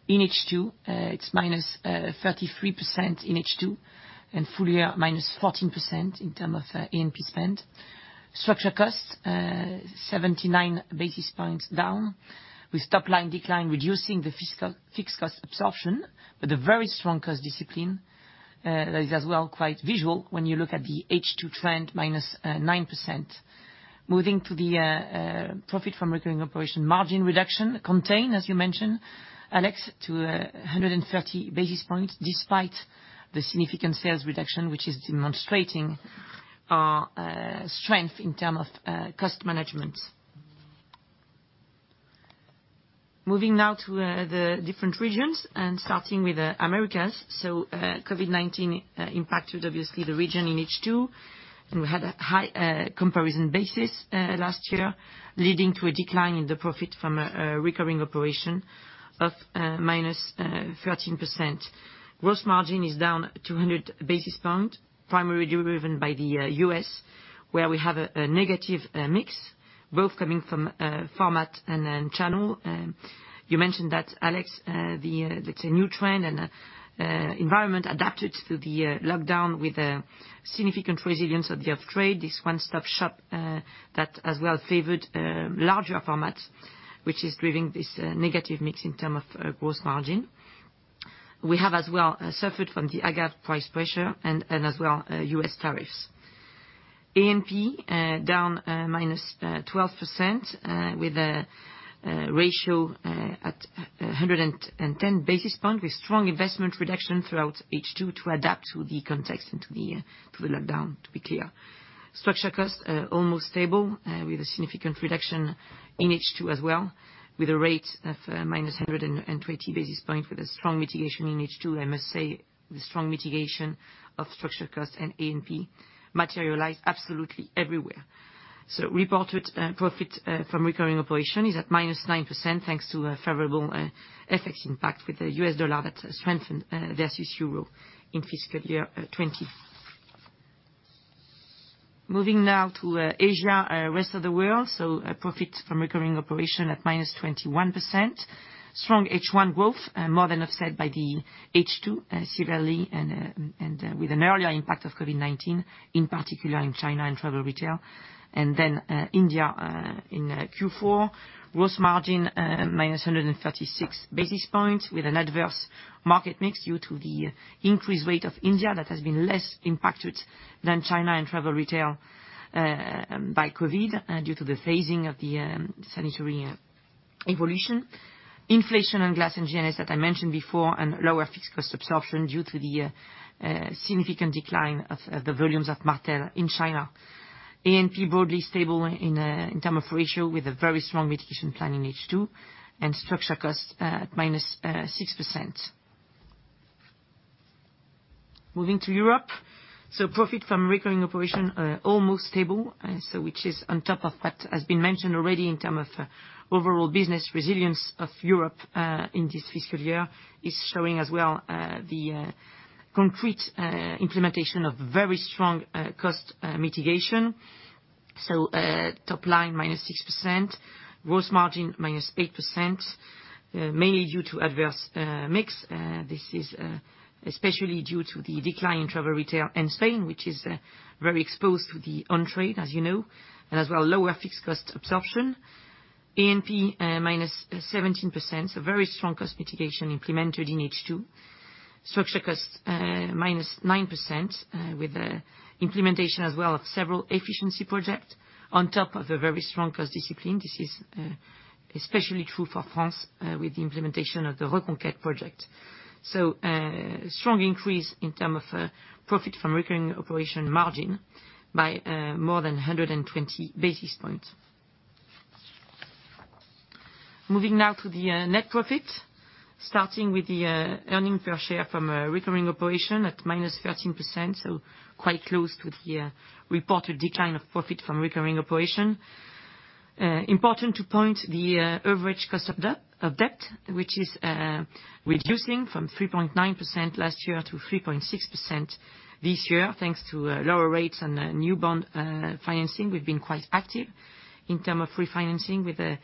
in H2. It's -33% in H2, full year -14% in terms of A&P spend. Structure costs, 79 basis points down, with top line decline reducing the fixed cost absorption. A very strong cost discipline that is as well quite visual when you look at the H2 trend, -9%. Moving to the profit from recurring operation margin reduction contained, as you mentioned, Alex, to 130 basis points, despite the significant sales reduction, which is demonstrating our strength in terms of cost management. Moving now to the different regions. Starting with Americas. COVID-19 impacted, obviously, the region in H2. We had a high comparison basis last year, leading to a decline in the profit from a recurring operation of -13%. Gross margin is down 200 basis points, primarily driven by the U.S., where we have a negative mix, both coming from format and channel. You mentioned that, Alex, that's a new trend and environment adapted to the lockdown with a significant resilience of the off-trade, this one-stop shop that as well favored larger formats, which is driving this negative mix in terms of gross margin. We have as well suffered from the agave price pressure and as well U.S. tariffs. A&P down -12%, with a ratio at 110 basis points, with strong investment reduction throughout H2 to adapt to the context and to the lockdown, to be clear. Structure costs are almost stable, with a significant reduction in H2 as well, with a rate of -120 basis points with a strong mitigation in H2. I must say, the strong mitigation of structure costs and A&P materialize absolutely everywhere. Reported profit from recurring operation is at -9% thanks to a favorable FX impact with the U.S. dollar that strengthened versus euro in FY 2020. Moving now to Asia, rest of the world. Profit from recurring operation at -21%. Strong H1 growth, more than offset by the H2, severely and with an earlier impact of COVID-19, in particular in China and travel retail. India in Q4, gross margin -136 basis points with an adverse market mix due to the increased weight of India that has been less impacted than China and travel retail by COVID due to the phasing of the sanitary evolution. Inflation on glass and GNS, as I mentioned before, and lower fixed cost absorption due to the significant decline of the volumes of Martell in China. A&P broadly stable in terms of ratio with a very strong mitigation plan in H2. Structure cost at -6%. Moving to Europe. Profit from recurring operations almost stable, which is on top of what has been mentioned already in terms of overall business resilience of Europe in this fiscal year is showing as well the concrete implementation of very strong cost mitigation. Top line -6%, gross margin -8%, mainly due to adverse mix. This is especially due to the decline in travel retail and Spain, which is very exposed to the on-trade, as you know, as well lower fixed cost absorption. A&P -17%, very strong cost mitigation implemented in H2. Structure costs -9% with implementation as well of several efficiency projects on top of a very strong cost discipline. This is especially true for France with the implementation of the Reconquête project. A strong increase in terms of profit from recurring operation margin by more than 120 basis points. Moving now to the net profit, starting with the earnings per share from recurring operation at -13%, quite close to the reported decline of profit from recurring operation. Important to point the average cost of debt, which is reducing from 3.9% last year to 3.6% this year, thanks to lower rates and new bond financing. We've been quite active in terms of refinancing with the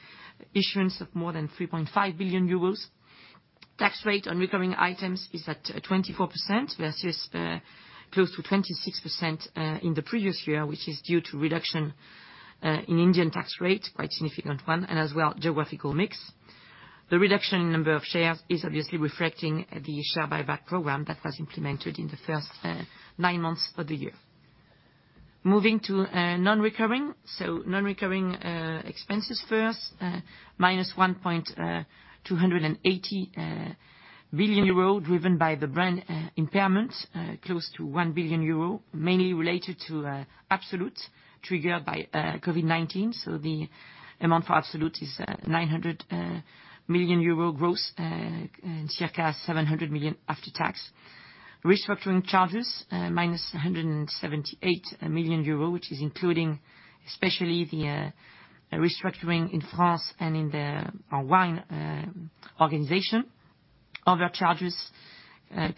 issuance of more than 3.5 billion euros. Tax rate on recurring items is at 24% versus close to 26% in the previous year, which is due to reduction in Indian tax rate, quite significant one, and as well, geographical mix. The reduction in number of shares is obviously reflecting the share buyback program that was implemented in the first nine months of the year. Moving to non-recurring. Non-recurring expenses first, -1.280 billion euro driven by the brand impairment, close to 1 billion euro, mainly related to Absolut triggered by COVID-19. The amount for Absolut is 900 million euro gross, circa 700 million after tax. Restructuring charges, -178 million euro, which is including especially the restructuring in France and in the wine organization. Other charges,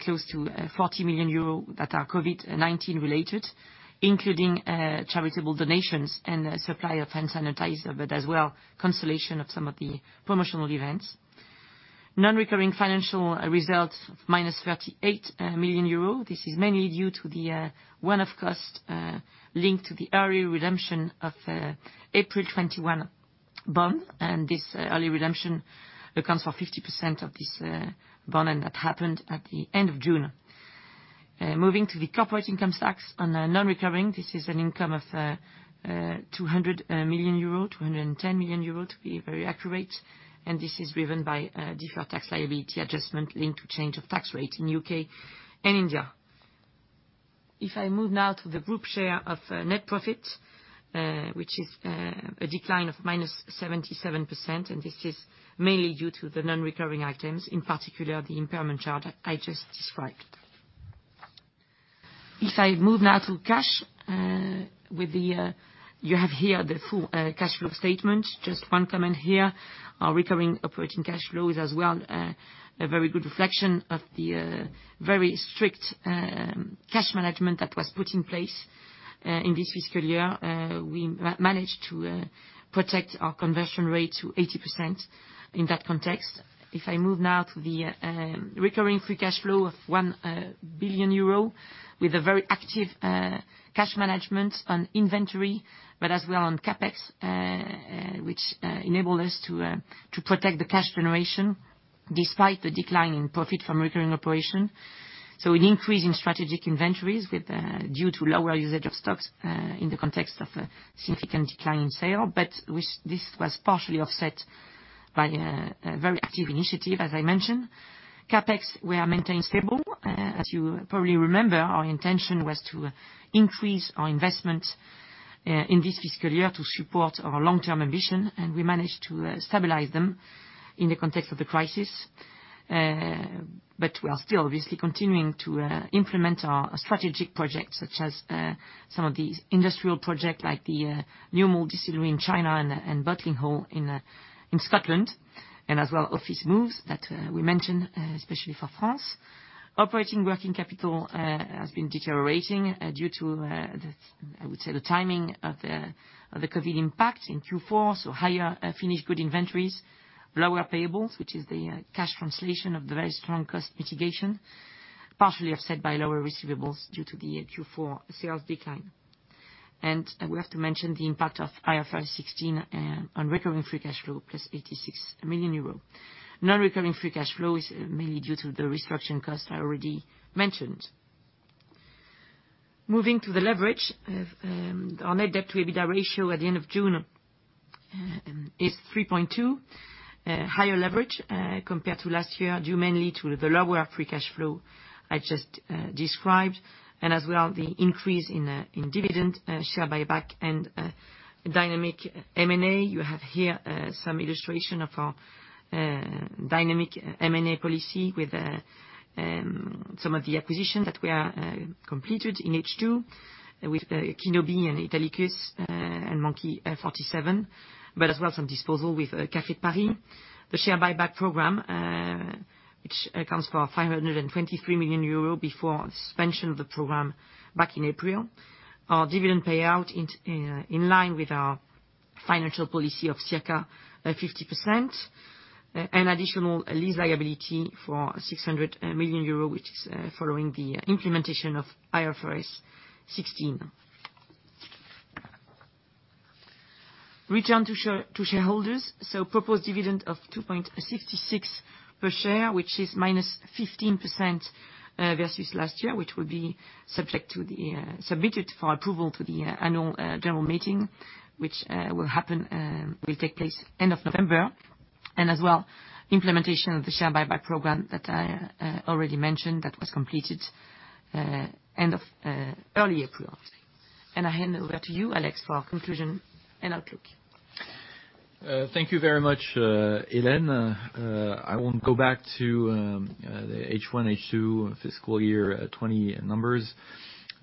close to 40 million euros that are COVID-19 related, including charitable donations and supply of hand sanitizer, but as well, cancellation of some of the promotional events. Non-recurring financial results, -38 million euro. This is mainly due to the one-off cost linked to the early redemption of April 2021 bond. This early redemption accounts for 50% of this bond, and that happened at the end of June. Moving to the corporate income tax on a non-recurring, this is an income of 200 million euro, 210 million euro to be very accurate. This is driven by deferred tax liability adjustment linked to change of tax rate in U.K. and India. If I move now to the group share of net profit, which is a decline of -77%. This is mainly due to the non-recurring items, in particular the impairment charge that I just described. If I move now to cash, you have here the full cash flow statement. Just one comment here. Our recurring operating cash flow is as well a very good reflection of the very strict cash management that was put in place in this fiscal year. We managed to protect our conversion rate to 80% in that context. I move now to the recurring free cash flow of 1 billion euro, with a very active cash management on inventory, as well on CapEx, which enabled us to protect the cash generation despite the decline in profit from recurring operation. An increase in strategic inventories due to lower usage of stocks in the context of a significant decline in sales, this was partially offset by a very active initiative, as I mentioned. CapEx, we are maintaining stable. As you probably remember, our intention was to increase our investment in this fiscal year to support our long-term ambition, we managed to stabilize them in the context of the crisis. We are still obviously continuing to implement our strategic projects, such as some of the industrial projects like the new malt distillery in China and bottling hall in Scotland, as well office moves that we mentioned, especially for France. Operating working capital has been deteriorating due to, I would say, the timing of the COVID-19 impact in Q4, so higher finished good inventories, lower payables, which is the cash translation of the very strong cost mitigation, partially offset by lower receivables due to the Q4 sales decline. We have to mention the impact of IFRS 16 on recurring free cash flow, +86 million euro. Non-recurring free cash flow is mainly due to the restructuring cost I already mentioned. Moving to the leverage. Our net debt to EBITDA ratio at the end of June is 3.2x. Higher leverage compared to last year, due mainly to the lower free cash flow I just described, and as well the increase in dividend share buyback and dynamic M&A. You have here some illustration of our dynamic M&A policy with some of the acquisitions that we completed in H2 with Ki No Bi and Italicus and Monkey 47, but as well some disposal with Café de Paris. The share buyback program, which accounts for 523 million euro before suspension of the program back in April. Our dividend payout in line with our financial policy of circa 50%. An additional lease liability for 600 million euro, which is following the implementation of IFRS 16. Return to shareholders. Proposed dividend of 2.66 per share, which is -15% versus last year, which will be submitted for approval to the annual general meeting, which will take place end of November. As well, implementation of the share buyback program that I already mentioned that was completed early April. I hand over to you, Alex, for our conclusion and outlook. Thank you very much, Hélène. I won't go back to the H1, H2 fiscal year 2020 numbers.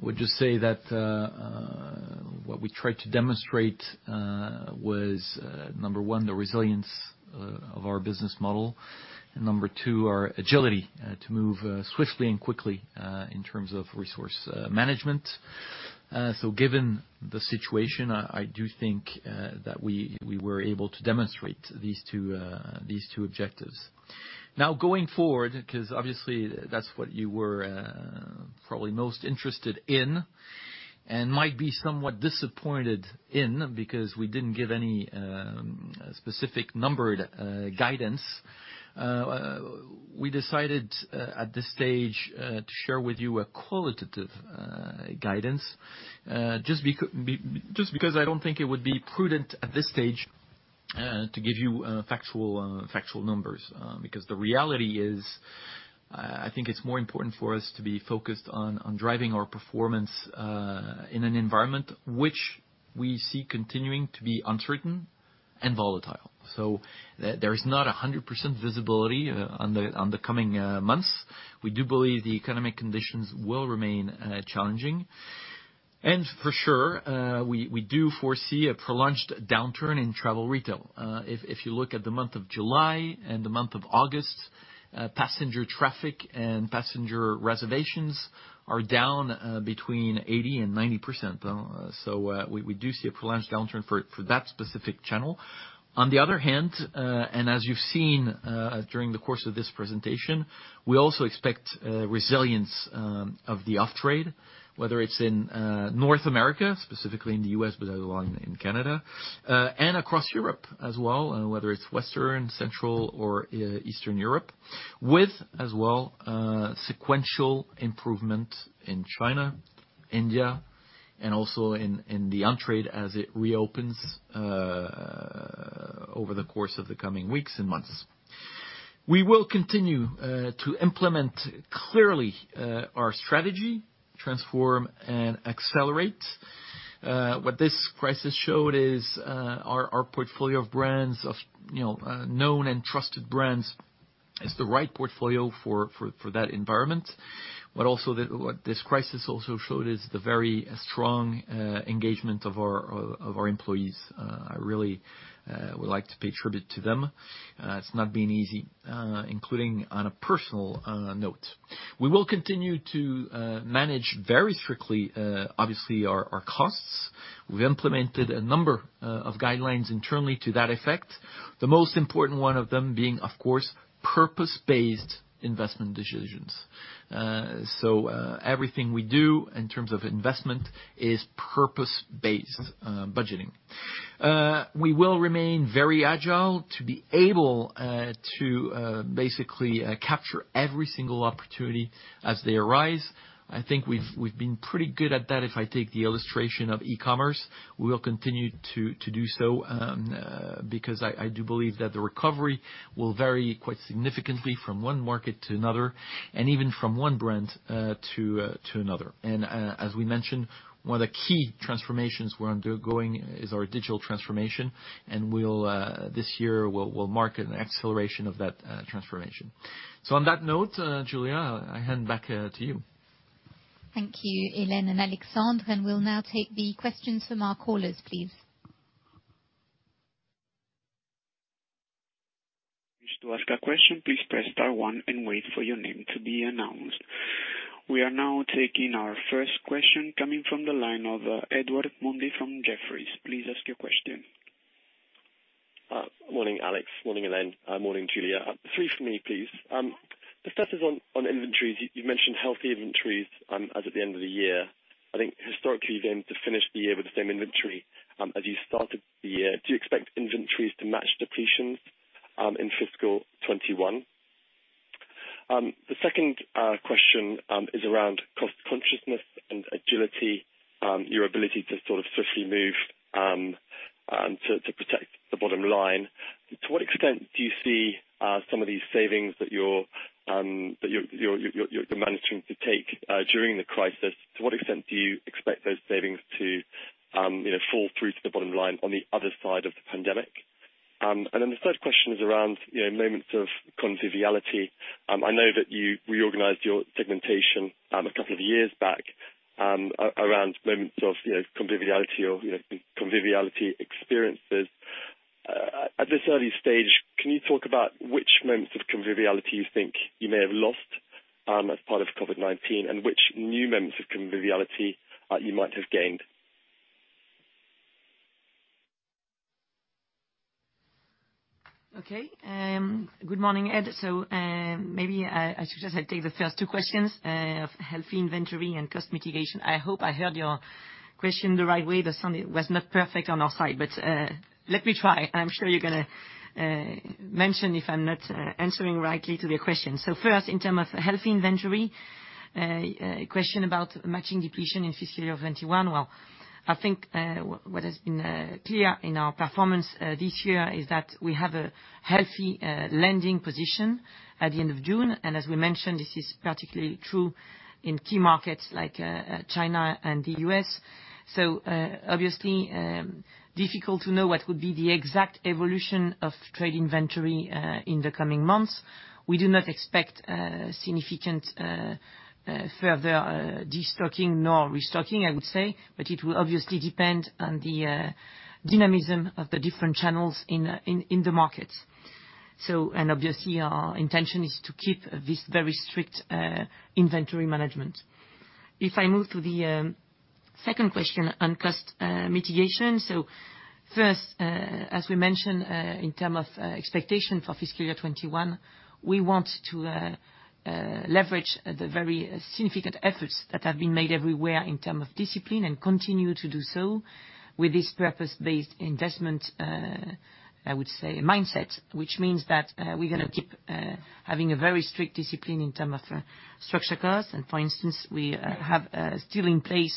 Would just say that what we tried to demonstrate was, number 1, the resilience of our business model, and number 2, our agility to move swiftly and quickly in terms of resource management. Given the situation, I do think that we were able to demonstrate these two objectives. Now going forward, because obviously that's what you were probably most interested in and might be somewhat disappointed in because we didn't give any specific numbered guidance. We decided at this stage to share with you a qualitative guidance, just because I don't think it would be prudent at this stage to give you factual numbers, because the reality is, I think it's more important for us to be focused on driving our performance in an environment which we see continuing to be uncertain and volatile. There is not 100% visibility on the coming months. We do believe the economic conditions will remain challenging. For sure, we do foresee a prolonged downturn in travel retail. If you look at the month of July and the month of August, passenger traffic and passenger reservations are down between 80%-90%. We do see a prolonged downturn for that specific channel. On the other hand, as you've seen during the course of this presentation, we also expect resilience of the off-trade, whether it's in North America, specifically in the U.S., but also in Canada, and across Europe as well, whether it's Western, Central, or Eastern Europe, with, as well, sequential improvement in China, India, and also in the on-trade as it reopens over the course of the coming weeks and months. We will continue to implement, clearly, our strategy, Transform & Accelerate. What this crisis showed is our portfolio of brands, of known and trusted brands, is the right portfolio for that environment. What this crisis also showed is the very strong engagement of our employees. I really would like to pay tribute to them. It's not been easy, including on a personal note. We will continue to manage very strictly, obviously, our costs. We've implemented a number of guidelines internally to that effect. The most important one of them being, of course, purpose-based investment decisions. Everything we do in terms of investment is purpose-based budgeting. We will remain very agile to be able to basically capture every single opportunity as they arise. I think we've been pretty good at that, if I take the illustration of e-commerce. We will continue to do so, because I do believe that the recovery will vary quite significantly from one market to another, and even from one brand to another. As we mentioned, one of the key transformations we're undergoing is our digital transformation. This year, we'll mark an acceleration of that transformation. On that note, Julia, I hand back to you. Thank you, Hélène and Alexandre. We'll now take the questions from our callers, please. If you wish to ask a question, please press star one and wait for your name to be announced. We are now taking our first question, coming from the line of Edward Mundy from Jefferies. Please ask your question. Morning, Alex. Morning, Hélène. Morning, Julia. Three from me, please. The first is on inventories. You've mentioned healthy inventories as at the end of the year. I think historically you've aimed to finish the year with the same inventory as you started the year. Do you expect inventories to match depletions in fiscal 2021? The second question is around cost consciousness and agility, your ability to swiftly move to protect the bottom line. To what extent do you see some of these savings that you're managing to take during the crisis, to what extent do you expect those savings to fall through to the bottom line on the other side of the pandemic? The third question is around moments of conviviality. I know that you reorganized your segmentation a couple of years back around moments of conviviality or conviviality experiences. At this early stage, can you talk about which moments of conviviality you think you may have lost as part of COVID-19, and which new moments of conviviality you might have gained? Okay. Good morning, Ed. Maybe I should just take the first two questions of healthy inventory and cost mitigation. I hope I heard your question the right way. The sound was not perfect on our side. Let me try. I'm sure you're going to mention if I'm not answering rightly to the question. First, in term of healthy inventory, a question about matching depletion in fiscal year 2021. Well, I think what has been clear in our performance this year is that we have a healthy landing position at the end of June. As we mentioned, this is particularly true in key markets like China and the U.S. Obviously, difficult to know what would be the exact evolution of trade inventory in the coming months. We do not expect significant further destocking nor restocking, I would say. It will obviously depend on the dynamism of the different channels in the market. Obviously, our intention is to keep this very strict inventory management. If I move to the second question on cost mitigation. First, as we mentioned, in terms of expectation for fiscal year 2021, we want to leverage the very significant efforts that have been made everywhere in terms of discipline, and continue to do so with this purpose-based investment, I would say mindset. Which means that we're going to keep having a very strict discipline in terms of structure costs. For instance, we have still in place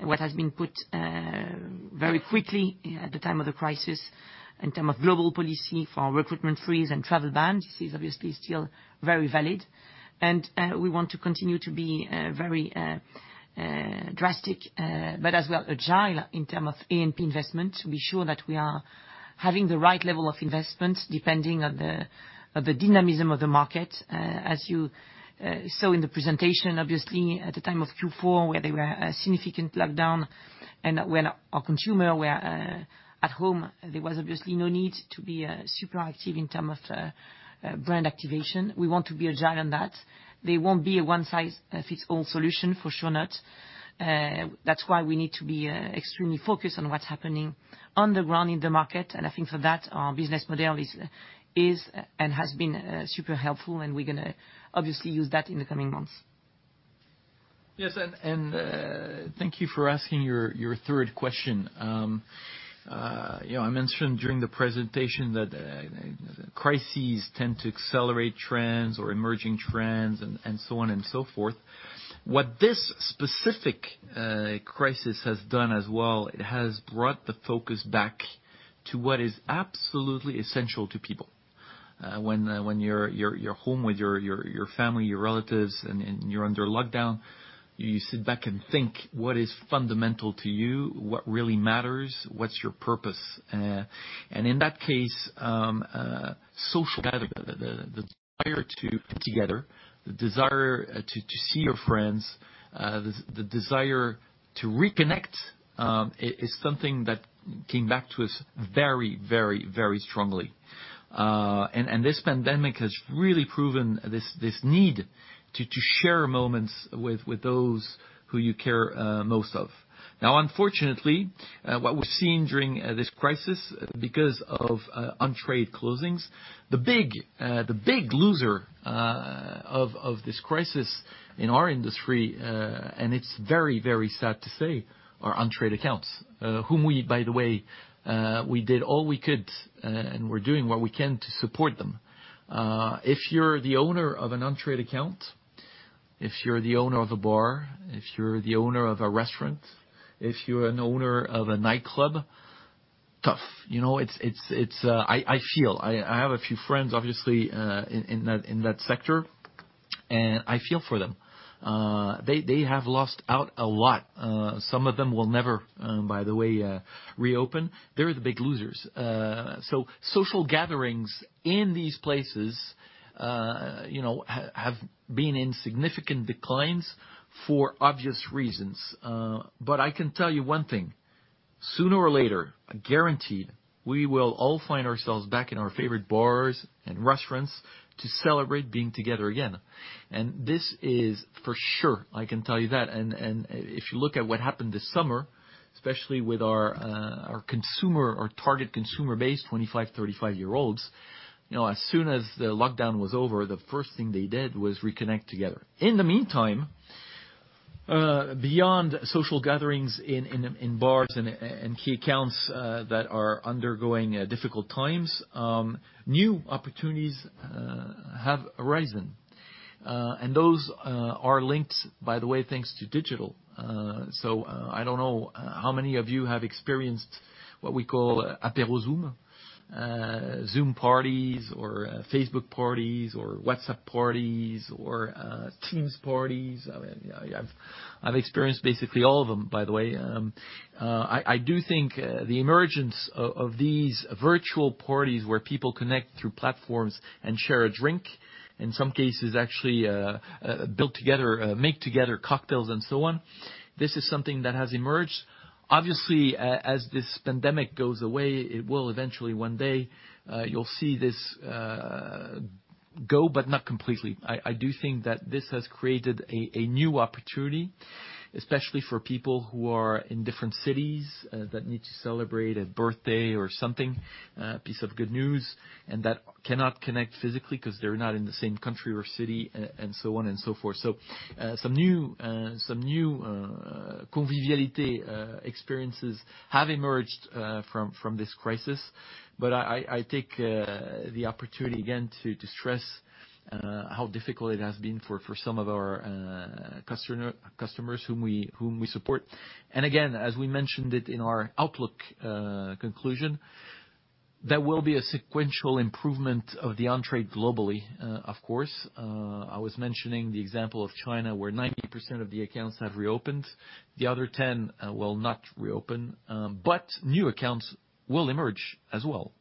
what has been put very quickly at the time of the crisis in terms of global policy for recruitment freeze and travel ban. This is obviously still very valid. We want to continue to be very drastic, but as well agile in terms of A&P investment, to be sure that we are having the right level of investment depending on the dynamism of the market. As you saw in the presentation, obviously, at the time of Q4, where there were a significant lockdown and when our consumer were at home, there was obviously no need to be super active in terms of brand activation. We want to be agile in that. There won't be a one-size-fits-all solution, for sure not. That's why we need to be extremely focused on what's happening on the ground in the market. I think for that, our business model is and has been super helpful, and we're going to obviously use that in the coming months. Yes. Thank you for asking your third question. I mentioned during the presentation that crises tend to accelerate trends or emerging trends and so on and so forth. What this specific crisis has done as well, it has brought the focus back to what is absolutely essential to people. When you're home with your family, your relatives, and you're under lockdown, you sit back and think what is fundamental to you, what really matters, what's your purpose. In that case, social gathering, the desire to get together, the desire to see your friends, the desire to reconnect, is something that came back to us very strongly. This pandemic has really proven this need to share moments with those who you care most of. Unfortunately, what we've seen during this crisis, because of on-trade closings, the big loser of this crisis in our industry, and it's very sad to say, are on-trade accounts. Whom, by the way, we did all we could and we're doing what we can to support them. If you're the owner of an on-trade account, if you're the owner of a bar, if you're the owner of a restaurant, if you're an owner of a nightclub, tough. I have a few friends, obviously, in that sector, and I feel for them. They have lost out a lot. Some of them will never, by the way, reopen. They're the big losers. Social gatherings in these places have been in significant declines for obvious reasons. I can tell you one thing, sooner or later, guaranteed, we will all find ourselves back in our favorite bars and restaurants to celebrate being together again. This is for sure, I can tell you that. If you look at what happened this summer, especially with our target consumer base, 25 to 35-year-olds, as soon as the lockdown was over, the first thing they did was reconnect together. In the meantime, beyond social gatherings in bars and key accounts that are undergoing difficult times, new opportunities have arisen. Those are linked, by the way, thanks to digital. I don't know how many of you have experienced what we call Apéro Zoom parties or Facebook parties or WhatsApp parties, or Teams parties. I've experienced basically all of them, by the way. I do think the emergence of these virtual parties where people connect through platforms and share a drink, in some cases actually build together, make together cocktails and so on, this is something that has emerged. Obviously, as this pandemic goes away, it will eventually one day, you'll see this go, but not completely. I do think that this has created a new opportunity, especially for people who are in different cities that need to celebrate a birthday or something, a piece of good news, and that cannot connect physically because they're not in the same country or city and so on and so forth. Some new convivialité experiences have emerged from this crisis. I take the opportunity again to stress how difficult it has been for some of our customers whom we support. As we mentioned it in our outlook conclusion, there will be a sequential improvement of the on-trade globally, of course. I was mentioning the example of China, where 90% of the accounts have reopened. The other 10 will not reopen. New accounts will emerge as well.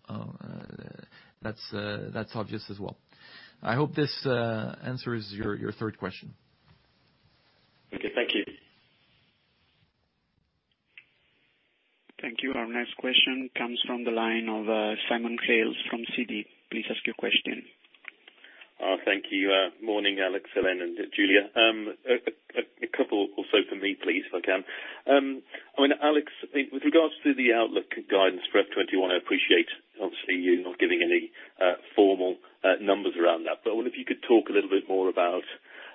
That's obvious as well. I hope this answers your third question. Okay. Thank you. Thank you. Our next question comes from the line of Simon Hales from Citi. Please ask your question. Thank you. Morning, Alex, Hélène, and Julia. A couple also from me, please, if I can. Alex, with regards to the outlook guidance for FY 2021, I appreciate, obviously, you not giving any formal numbers around that. I wonder if you could talk a little bit more about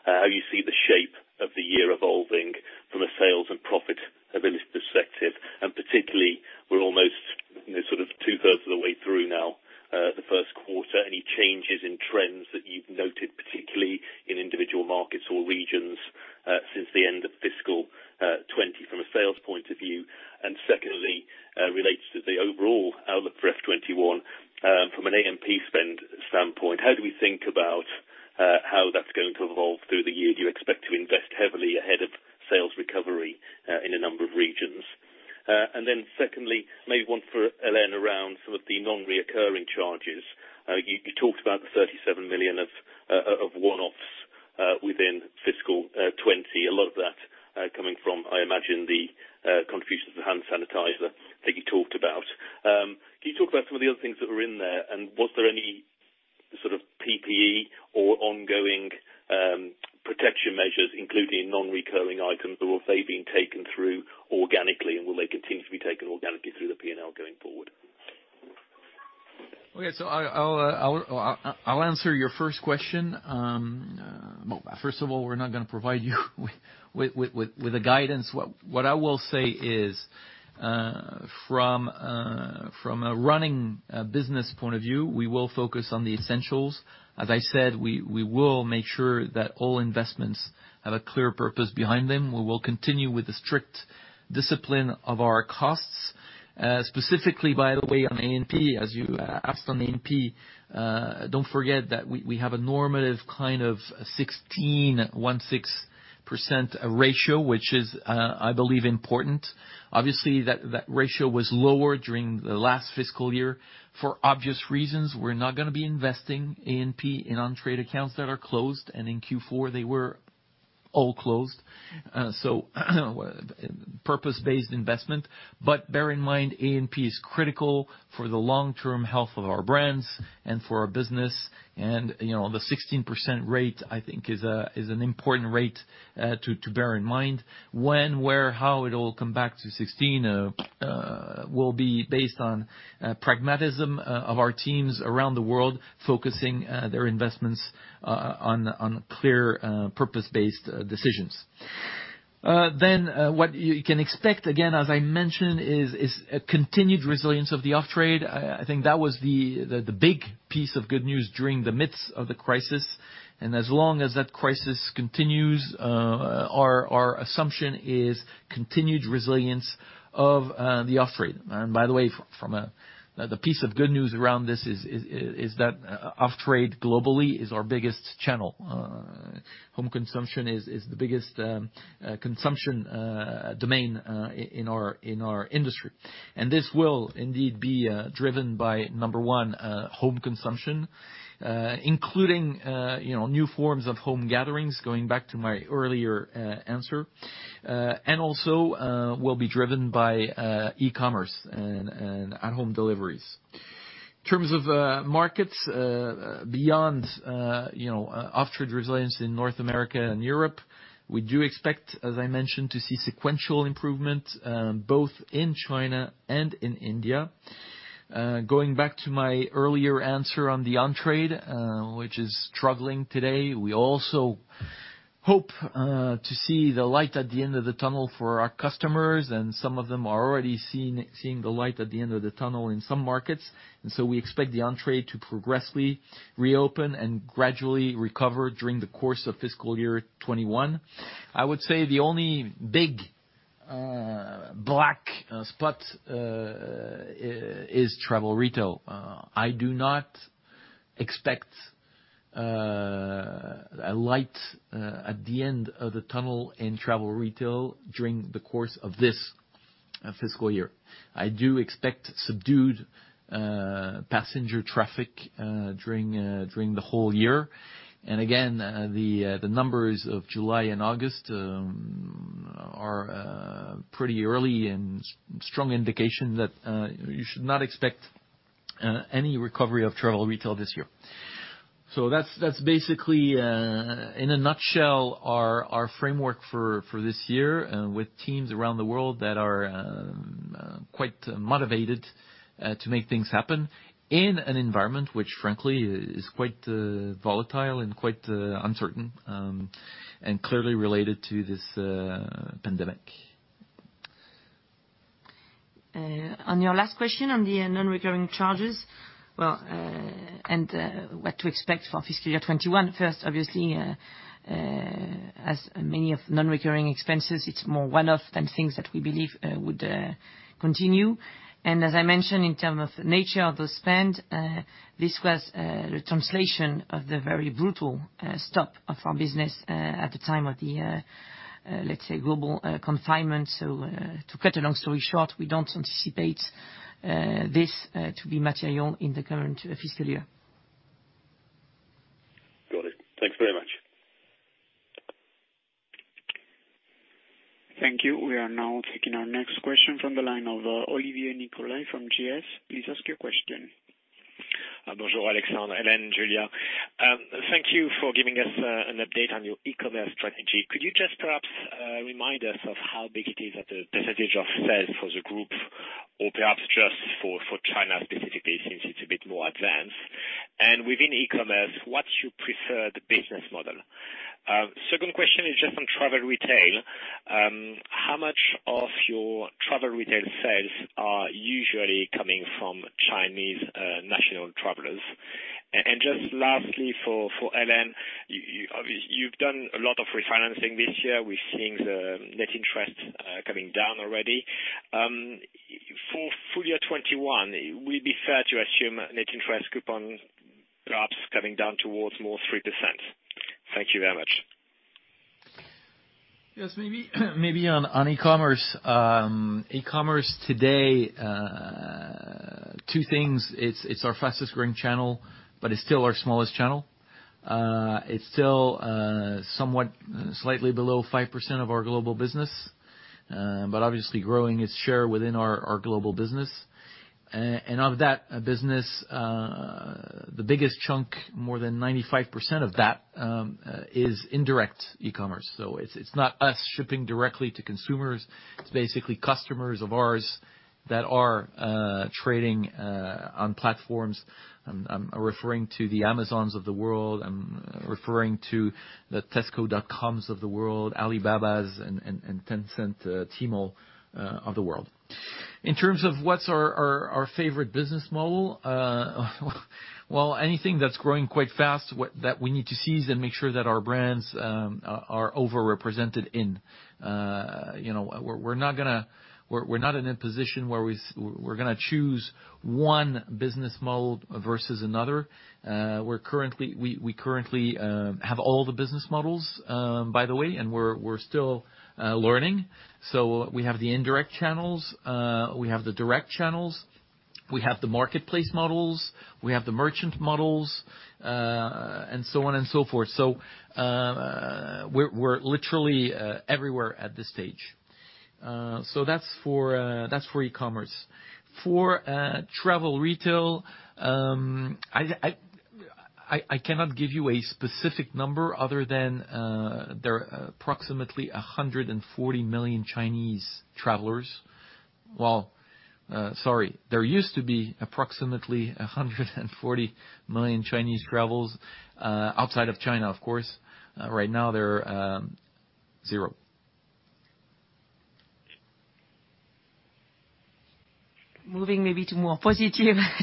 how you see the shape of the year evolving from a sales and profitability perspective. Particularly, we're almost two-thirds of the way through now, the first quarter. Any changes in trends that you've noted, particularly in individual markets or regions since the end of fiscal 2020 from a sales point of view? Secondly, related to the overall outlook for FY 2021 from an A&P spend standpoint, how do we think about how that's going to evolve through the year? Do you expect to invest heavily ahead of sales recovery in a number of regions? Secondly, maybe one for Hélène around some of the non-recurring charges. You talked about the 37 million of one-offs within fiscal 2020, a lot of that coming from, I imagine, the contributions of hand sanitizer that you talked about. Can you talk about some of the other things that were in there? Was there any sort of PPE or ongoing protection measures included in non-recurring items, or have they been taken through organically, and will they continue to be taken organically through the P&L going forward? I'll answer your first question. First of all, we're not going to provide you with a guidance. What I will say is, from a running business point of view, we will focus on the essentials. As I said, we will make sure that all investments have a clear purpose behind them. We will continue with the strict discipline of our costs, specifically, by the way, on A&P, as you asked on A&P, don't forget that we have a normative kind of 16% ratio, which is, I believe, important. Obviously, that ratio was lower during the last fiscal year. For obvious reasons, we're not going to be investing A&P in on-trade accounts that are closed. In Q4, they were all closed. Purpose-based investment. Bear in mind, A&P is critical for the long-term health of our brands and for our business. The 16% rate, I think is an important rate to bear in mind. When, where, how it'll come back to 16 will be based on pragmatism of our teams around the world, focusing their investments on clear purpose-based decisions. What you can expect, again, as I mentioned, is a continued resilience of the off-trade. I think that was the big piece of good news during the midst of the crisis. As long as that crisis continues, our assumption is continued resilience of the off-trade. By the way, the piece of good news around this is that off-trade globally is our biggest channel. Home consumption is the biggest consumption domain in our industry. This will indeed be driven by, number 1, home consumption, including new forms of home gatherings, going back to my earlier answer, and also will be driven by e-commerce and at home deliveries. In terms of markets, beyond off-trade resilience in North America and Europe, we do expect, as I mentioned, to see sequential improvement both in China and in India. Going back to my earlier answer on the on-trade, which is struggling today, we also hope to see the light at the end of the tunnel for our customers, and some of them are already seeing the light at the end of the tunnel in some markets. We expect the on-trade to progressively reopen and gradually recover during the course of fiscal year 2021. I would say the only big black spot is travel retail. I do not expect a light at the end of the tunnel in travel retail during the course of this fiscal year. I do expect subdued passenger traffic during the whole year. The numbers of July and August are a pretty early and strong indication that you should not expect any recovery of travel retail this year. That's basically, in a nutshell, our framework for this year with teams around the world that are quite motivated to make things happen in an environment which frankly is quite volatile and quite uncertain, and clearly related to this pandemic. On your last question on the non-recurring charges, well, what to expect for fiscal year 2021. First, obviously, as many of non-recurring expenses, it's more one-off than things that we believe would continue. As I mentioned, in term of nature of the spend, this was a translation of the very brutal stop of our business at the time of the, let's say, global confinement. To cut a long story short, we don't anticipate this to be material in the current fiscal year. Thank you. We are now taking our next question from the line of Olivier Nicolai from GS. Please ask your question. Bonjour, Alexandre, Hélène, Julia. Thank you for giving us an update on your e-commerce strategy. Could you just perhaps remind us of how big it is as a percentage of sales for the group or perhaps just for China specifically, since it's a bit more advanced? Within e-commerce, what's your preferred business model? Second question is just on travel retail. How much of your travel retail sales are usually coming from Chinese national travelers? Just lastly, for Hélène, you've done a lot of refinancing this year. We're seeing the net interest coming down already. For full year 2021, would it be fair to assume net interest coupon perhaps coming down towards more 3%? Thank you very much. Yes, maybe on e-commerce. E-commerce today, two things. It's our fastest growing channel, but it's still our smallest channel. It's still somewhat slightly below 5% of our global business, but obviously growing its share within our global business. Of that business, the biggest chunk, more than 95% of that, is indirect e-commerce. It's not us shipping directly to consumers. It's basically customers of ours that are trading on platforms. I'm referring to the Amazon of the world. I'm referring to the Tesco.com of the world, Alibaba and Tencent, Tmall of the world. In terms of what's our favorite business model, well, anything that's growing quite fast that we need to seize and make sure that our brands are overrepresented in. We're not in a position where we're going to choose one business model versus another. We currently have all the business models, by the way, and we're still learning. We have the indirect channels, we have the direct channels, we have the marketplace models, we have the merchant models, and so on and so forth. We're literally everywhere at this stage. That's for e-commerce. For travel retail, I cannot give you a specific number other than there are approximately 140 million Chinese travelers. Well, sorry. There used to be approximately 140 million Chinese travelers, outside of China, of course. Right now they're zero. Moving maybe to more positive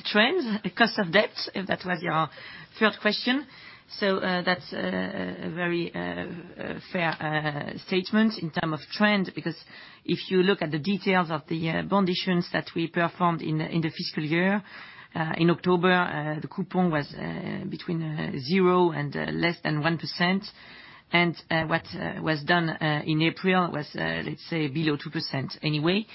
trends, cost of debt, if that was your third question. That's a very fair statement in term of trend, because if you look at the details of the bond issuance that we performed in the fiscal year, in October, the coupon was between zero and less than 1%. What was done in April was, let's say, below 2% anyway.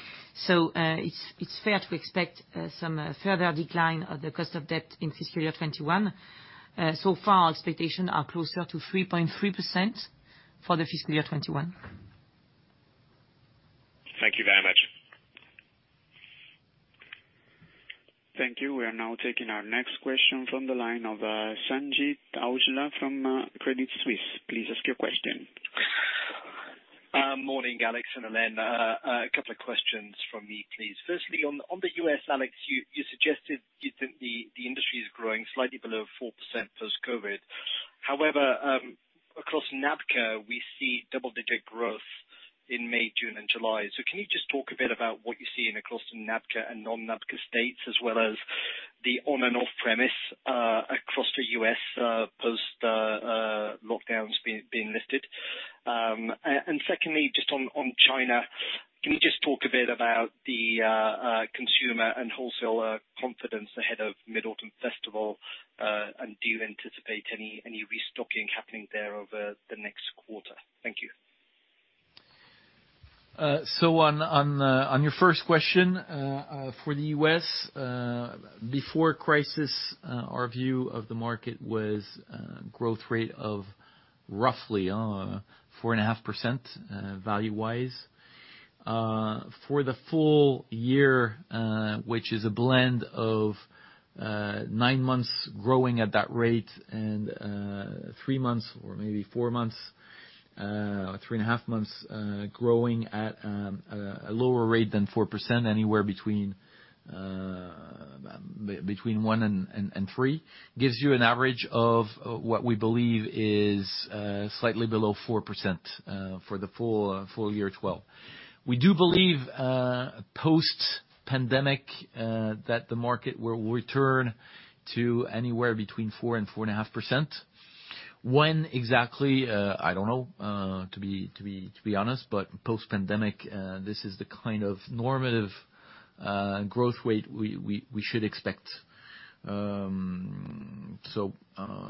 It's fair to expect some further decline of the cost of debt in fiscal year 2021. So far, our expectations are closer to 3.3% for the fiscal year 2021. Thank you very much. Thank you. We are now taking our next question from the line of Sanjeet Aujla from Credit Suisse. Please ask your question. Morning, Alex and Hélène. A couple of questions from me, please. Firstly, on the U.S., Alex, you suggested that the industry is growing slightly below 4% post-COVID. However, across NABCA, we see double-digit growth in May, June and July. Can you just talk a bit about what you're seeing across the NABCA and non-NABCA states, as well as the on and off premise across the U.S. post lockdowns being lifted? Secondly, just on China, can you just talk a bit about the consumer and wholesaler confidence ahead of Mid-Autumn Festival, and do you anticipate any restocking happening there over the next quarter? Thank you. On your first question, for the U.S., before crisis, our view of the market was growth rate of roughly 4.5% value-wise. For the full year, which is a blend of nine months growing at that rate and three months or maybe four months, three and a half months, growing at a lower rate than 4%, anywhere between 1% and 3%, gives you an average of what we believe is slightly below 4% for the full year 2020. We do believe post-pandemic that the market will return to anywhere between 4% and 4.5%. When exactly, I don't know, to be honest, but post-pandemic, this is the kind of normative growth rate we should expect. The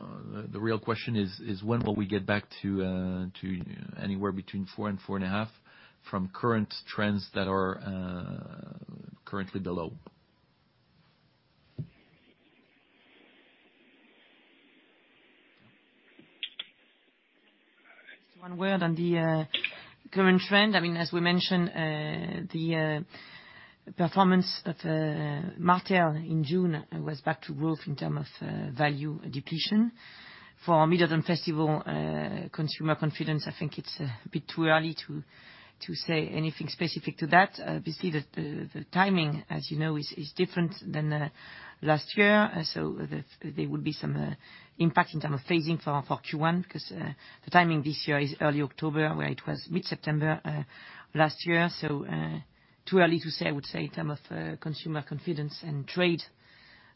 real question is when will we get back to anywhere between 4% and 4.5% from current trends that are currently below? Just one word on the current trend. As we mentioned, the performance of Martell in June was back to growth in terms of value depletion. For Mid-Autumn Festival consumer confidence, I think it's a bit too early to say anything specific to that. Obviously, the timing, as you know, is different than last year, so there will be some impact in terms of phasing for Q1 because the timing this year is early October, where it was mid-September last year. Too early to say, I would say, in terms of consumer confidence and trade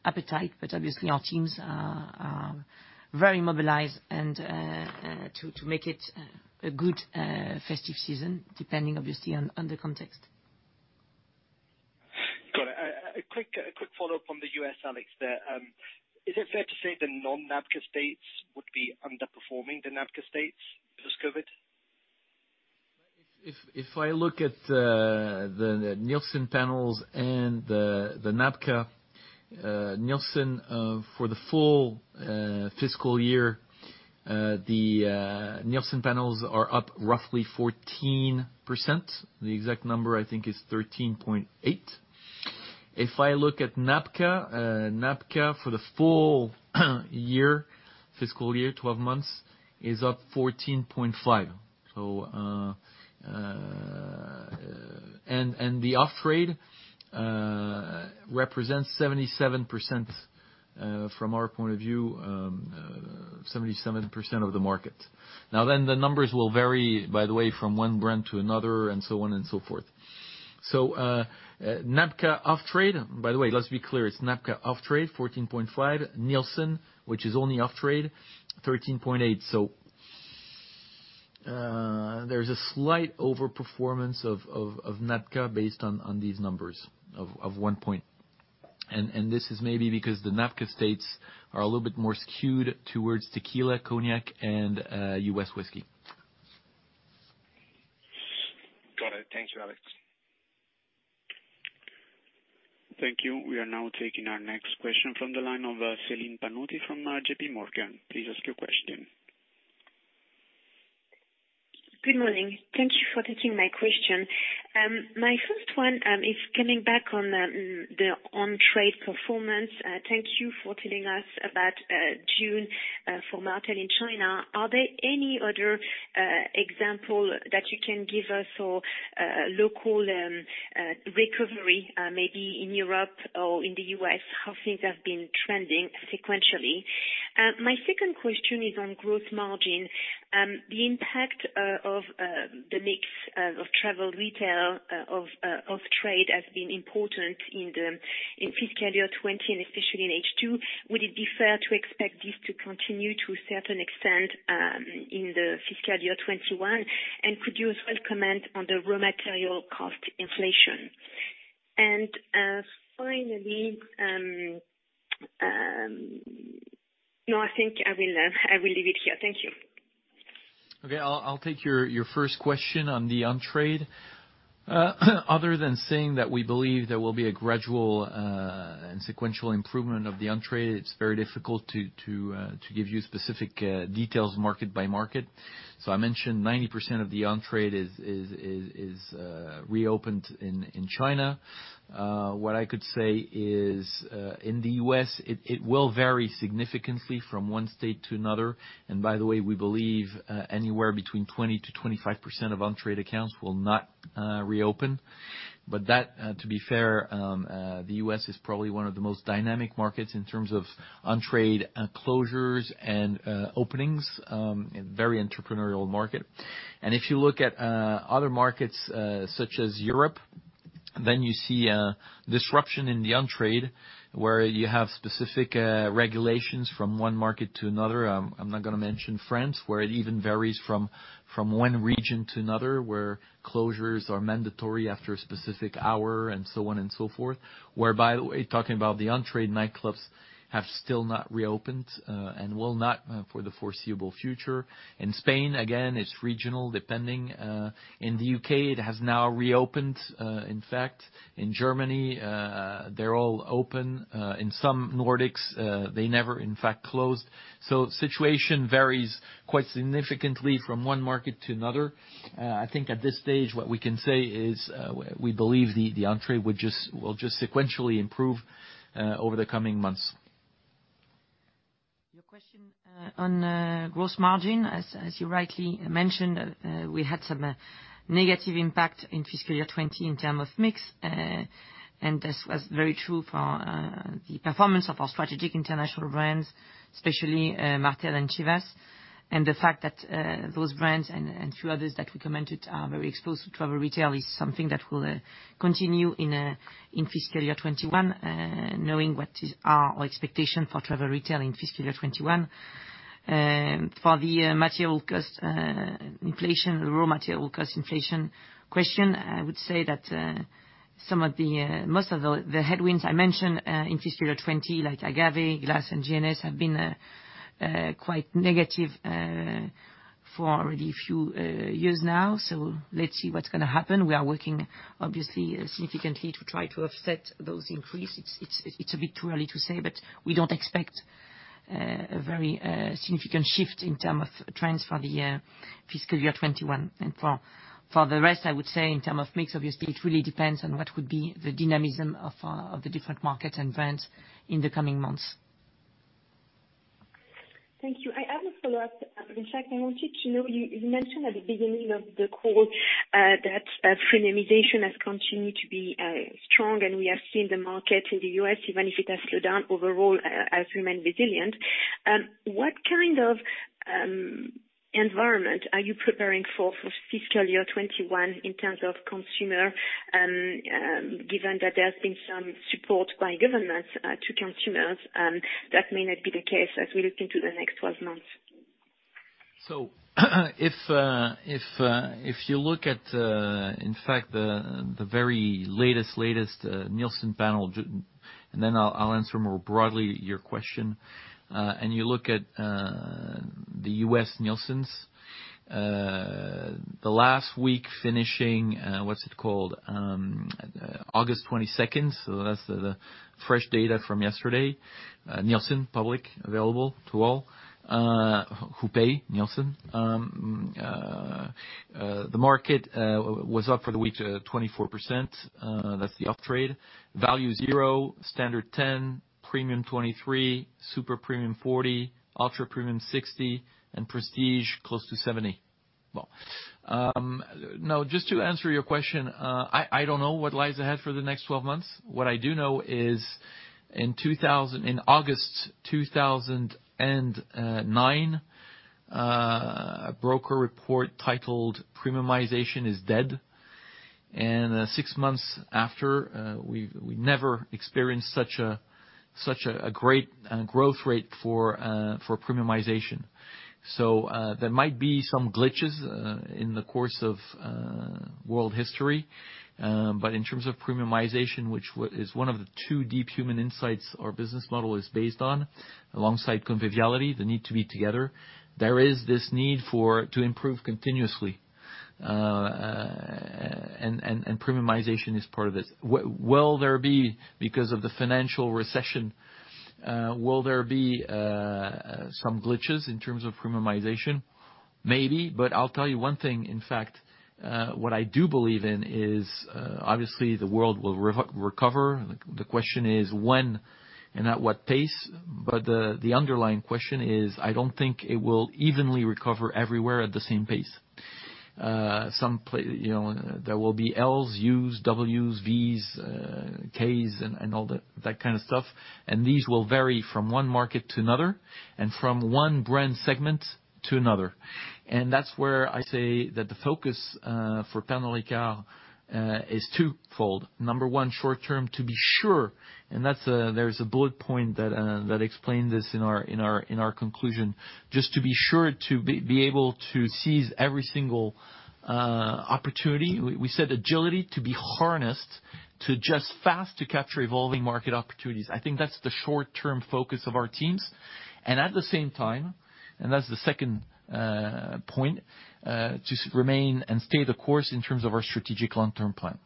appetite. Obviously our teams are very mobilized to make it a good festive season, depending, obviously, on the context. Got it. A quick follow-up on the U.S., Alex, there. Is it fair to say the non-NABCA states would be underperforming the NABCA states post-COVID-19? I look at the Nielsen panels and the NABCA, for the full fiscal year, the Nielsen panels are up roughly 14%. The exact number, I think, is 13.8%. I look at NABCA for the full fiscal year, 12 months, is up 14.5%. The off-trade represents 77%, from our point of view, 77% of the market. The numbers will vary, by the way, from one brand to another and so on and so forth. NABCA off-trade, by the way, let's be clear, it's NABCA off-trade, 14.5%. Nielsen, which is only off-trade, 13.8%. There's a slight over-performance of NABCA based on these numbers, of one point. This is maybe because the NABCA states are a little bit more skewed towards tequila, cognac, and U.S. whiskey. Got it. Thank you, Alex. Thank you. We are now taking our next question from the line of Céline Pannuti from JPMorgan. Please ask your question. Good morning. Thank you for taking my question. My first one is coming back on the on-trade performance. Thank you for telling us about June for Martell in China. Are there any other example that you can give us for local recovery, maybe in Europe or in the U.S., how things have been trending sequentially? My second question is on gross margin. The impact of the mix of travel retail and off-trade has been important in fiscal year 2020, and especially in H2. Would it be fair to expect this to continue to a certain extent in the fiscal year 2021, and could you as well comment on the raw material cost inflation? Finally No, I think I will leave it here. Thank you. Okay. I'll take your first question on the on-trade. Other than saying that we believe there will be a gradual and sequential improvement of the on-trade, it's very difficult to give you specific details market by market. I mentioned 90% of the on-trade is reopened in China. What I could say is, in the U.S., it will vary significantly from one state to another. By the way, we believe anywhere between 20%-25% of on-trade accounts will not reopen. That, to be fair, the U.S. is probably one of the most dynamic markets in terms of on-trade closures and openings. A very entrepreneurial market. If you look at other markets such as Europe, you see a disruption in the on-trade where you have specific regulations from one market to another. I'm not going to mention France, where it even varies from one region to another, where closures are mandatory after a specific hour and so on and so forth. Where, by the way, talking about the on-trade, nightclubs have still not reopened and will not for the foreseeable future. In Spain, again, it's regional, depending. In the U.K., it has now reopened, in fact. In Germany, they're all open. In some Nordics, they never, in fact, closed. The situation varies quite significantly from one market to another. I think at this stage, what we can say is we believe the on-trade will just sequentially improve over the coming months. Your question on gross margin, as you rightly mentioned, we had some negative impact in FY 2020 in terms of mix. This was very true for the performance of our strategic international brands, especially Martell and Chivas. The fact that those brands, and a few others that we commented are very exposed to travel retail, is something that will continue in FY 2021, knowing what are our expectations for travel retail in FY 2021. For the raw material cost inflation question, I would say that most of the headwinds I mentioned in FY 2020, like agave, glass, and GNS, have been quite negative for a few years now. Let's see what's going to happen. We are working, obviously, significantly to try to offset those increases. It's a bit too early to say, but we don't expect a very significant shift in terms of trends for the fiscal year 2021. For the rest, I would say in terms of mix, obviously, it really depends on what would be the dynamism of the different market and brands in the coming months. Thank you. I have a follow-up. You mentioned at the beginning of the call that premiumization has continued to be strong. We have seen the market in the U.S., even if it has slowed down overall, has remained resilient. What kind of environment are you preparing for fiscal year 2021 in terms of consumer, given that there's been some support by governments to consumers, that may not be the case as we look into the next 12 months? If you look at, in fact, the very latest Nielsen panel, then I'll answer more broadly your question. You look at the U.S. Nielsen, the last week finishing, August 22nd. That's the fresh data from yesterday, Nielsen public, available to all who pay Nielsen. The market was up for the week, 24%. That's the off-trade. Value, zero, standard, 10, premium, 23, super premium, 40, ultra premium, 60, and prestige, close to 70. Now, just to answer your question, I don't know what lies ahead for the next 12 months. What I do know is in August 2009, a broker report titled "Premiumization Is Dead," and six months after, we never experienced such a great growth rate for premiumization. There might be some glitches in the course of world history. In terms of premiumization, which is one of the two deep human insights our business model is based on, alongside conviviality, the need to be together, there is this need to improve continuously, and premiumization is part of this. Because of the financial recession, will there be some glitches in terms of premiumization? Maybe. I'll tell you one thing, in fact, what I do believe in is, obviously the world will recover. The question is when and at what pace. The underlying question is, I don't think it will evenly recover everywhere at the same pace. There will be Ls, Us, Ws, Vs, Ks, and all that kind of stuff, and these will vary from one market to another and from one brand segment to another. That's where I say that the focus for Pernod Ricard is twofold. Number one, short-term, to be sure, and there's a bullet point that explained this in our conclusion, just to be sure to be able to seize every single opportunity. We said agility to be harnessed to adjust fast to capture evolving market opportunities. I think that's the short-term focus of our teams. At the same time, and that's the second point, to remain and stay the course in terms of our strategic long-term plan.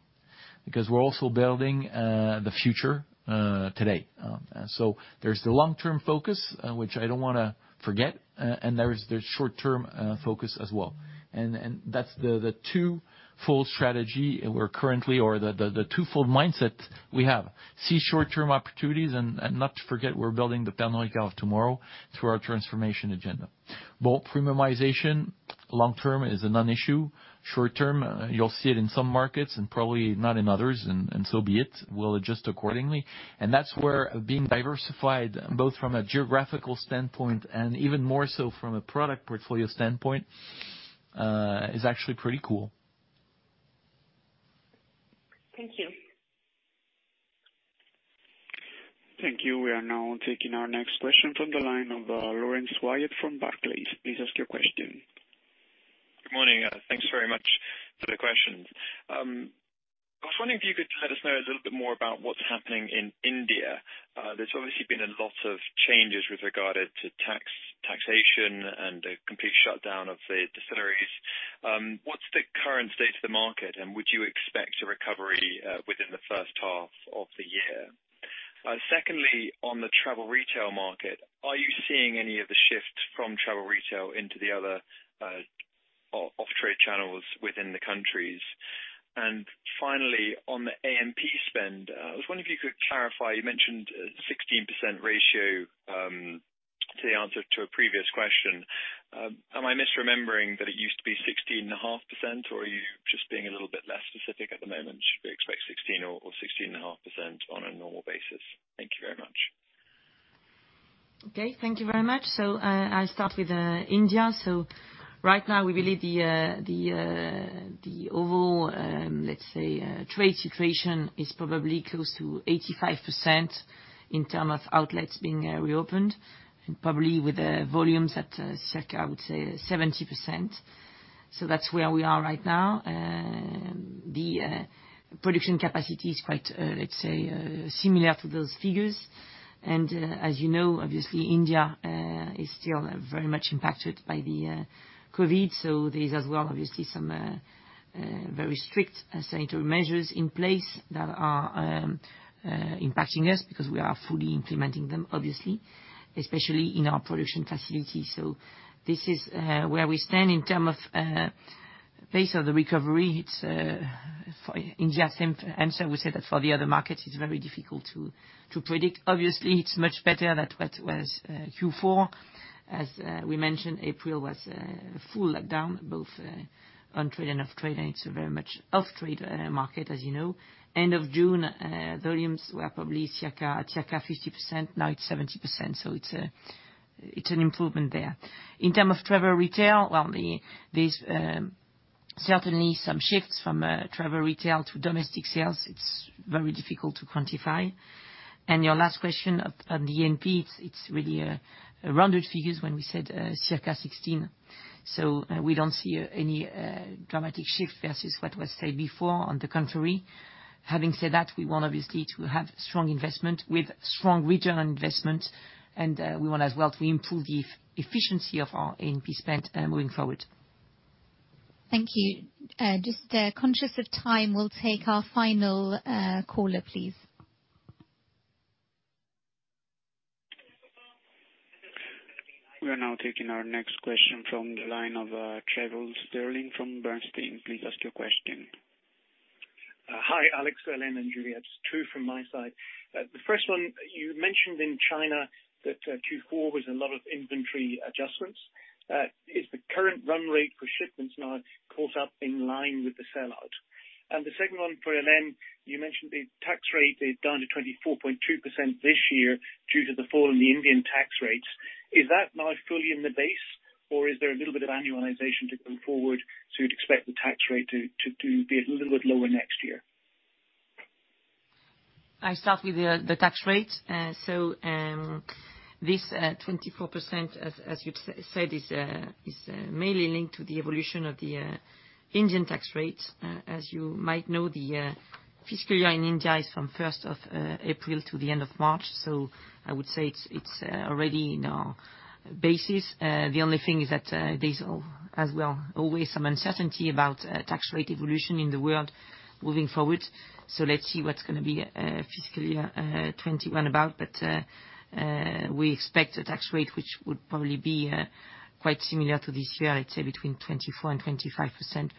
Because we're also building the future today. There's the long-term focus, which I don't want to forget, and there's short-term focus as well. That's the two-fold strategy we're currently or the twofold mindset we have. See short-term opportunities and not forget we're building the Pernod Ricard of tomorrow through our transformation agenda. Both premiumization long-term is a non-issue. Short-term, you'll see it in some markets and probably not in others, so be it. We'll adjust accordingly. That's where being diversified, both from a geographical standpoint and even more so from a product portfolio standpoint, is actually pretty cool. Thank you. Thank you. We are now taking our next question from the line of Laurence Whyatt from Barclays. Please ask your question. Good morning. Thanks very much for the questions. I was wondering if you could let us know a little bit more about what's happening in India. There's obviously been a lot of changes with regard to taxation and a complete shutdown of the distilleries. What's the current state of the market, and would you expect a recovery within the first half of the year? Secondly, on the travel retail market, are you seeing any of the shift from travel retail into the other off-trade channels within the countries? Finally, on the A&P spend, I was wondering if you could clarify, you mentioned a 16% ratio to the answer to a previous question. Am I misremembering that it used to be 16.5% or are you just being a little bit less specific at the moment? Should we expect 16% or 16.5% on a normal basis? Thank you very much. Okay. Thank you very much. I'll start with India. Right now we believe the overall trade situation is probably close to 85% in terms of outlets being reopened and probably with volumes at circa, I would say 70%. So that's where we are right now. The production capacity is quite similar to those figures. As you know, obviously India is still very much impacted by the COVID-19. There's as well, obviously, some very strict sanitary measures in place that are impacting us because we are fully implementing them, obviously, especially in our production facility. This is where we stand in terms of pace of the recovery. It's for India, same answer we said that for the other markets, it's very difficult to predict. Obviously, it's much better than what was Q4. As we mentioned, April was a full lockdown, both on trade and off trade, and it's a very much off trade market, as you know. End of June, volumes were probably circa 50%, now it's 70%. It's an improvement there. In terms of travel retail, there's certainly some shifts from travel retail to domestic sales. It's very difficult to quantify. Your last question, on the A&P, it's really rounded figures when we said circa 16%. We don't see any dramatic shift versus what was said before. On the contrary. Having said that, we want obviously to have strong investment with strong return on investment, and we want as well to improve the efficiency of our A&P spend moving forward. Thank you. Just conscious of time, we will take our final caller, please. We are now taking our next question from the line of Trevor Stirling from Bernstein. Please ask your question. Hi, Alex, Hélène, and Julia. Just two from my side. The first one, you mentioned in China that Q4 was a lot of inventory adjustments. Is the current run rate for shipments now caught up in line with the sell out? The second one for Hélène, you mentioned the tax rate is down to 24.2% this year due to the fall in the Indian tax rates. Is that now fully in the base or is there a little bit of annualization to come forward, so you'd expect the tax rate to be a little bit lower next year? I'll start with the tax rate. This 24%, as you said, is mainly linked to the evolution of the Indian tax rate. As you might know, the fiscal year in India is from first of April to the end of March, so I would say it's already in our basis. The only thing is that there's as well, always some uncertainty about tax rate evolution in the world moving forward. Let's see what's going to be fiscal year 2021 about. We expect a tax rate which would probably be quite similar to this year, I'd say between 24%-25%.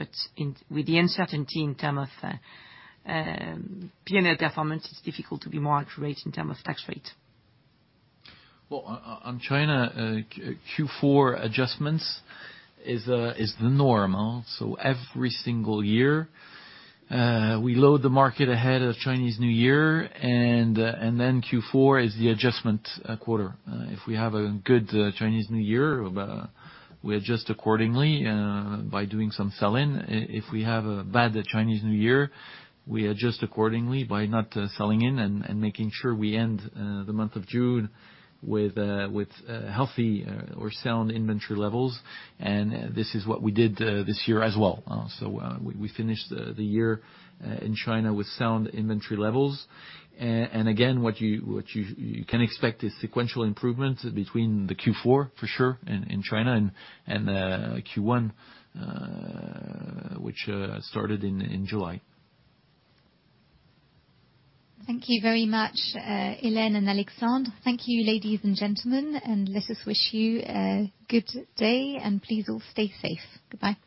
With the uncertainty in terms of P&L performance, it's difficult to be more accurate in terms of tax rate. On China Q4 adjustments is the norm. Every single year, we load the market ahead of Chinese New Year, and then Q4 is the adjustment quarter. If we have a good Chinese New Year, we adjust accordingly, by doing some sell-in. If we have a bad Chinese New Year, we adjust accordingly by not selling in and making sure we end the month of June with healthy or sound inventory levels. This is what we did this year as well. We finished the year in China with sound inventory levels. Again, what you can expect is sequential improvement between the Q4 for sure in China, and Q1, which started in July. Thank you very much, Hélène and Alexandre. Let us wish you a good day, and please all stay safe. Goodbye. Goodbye.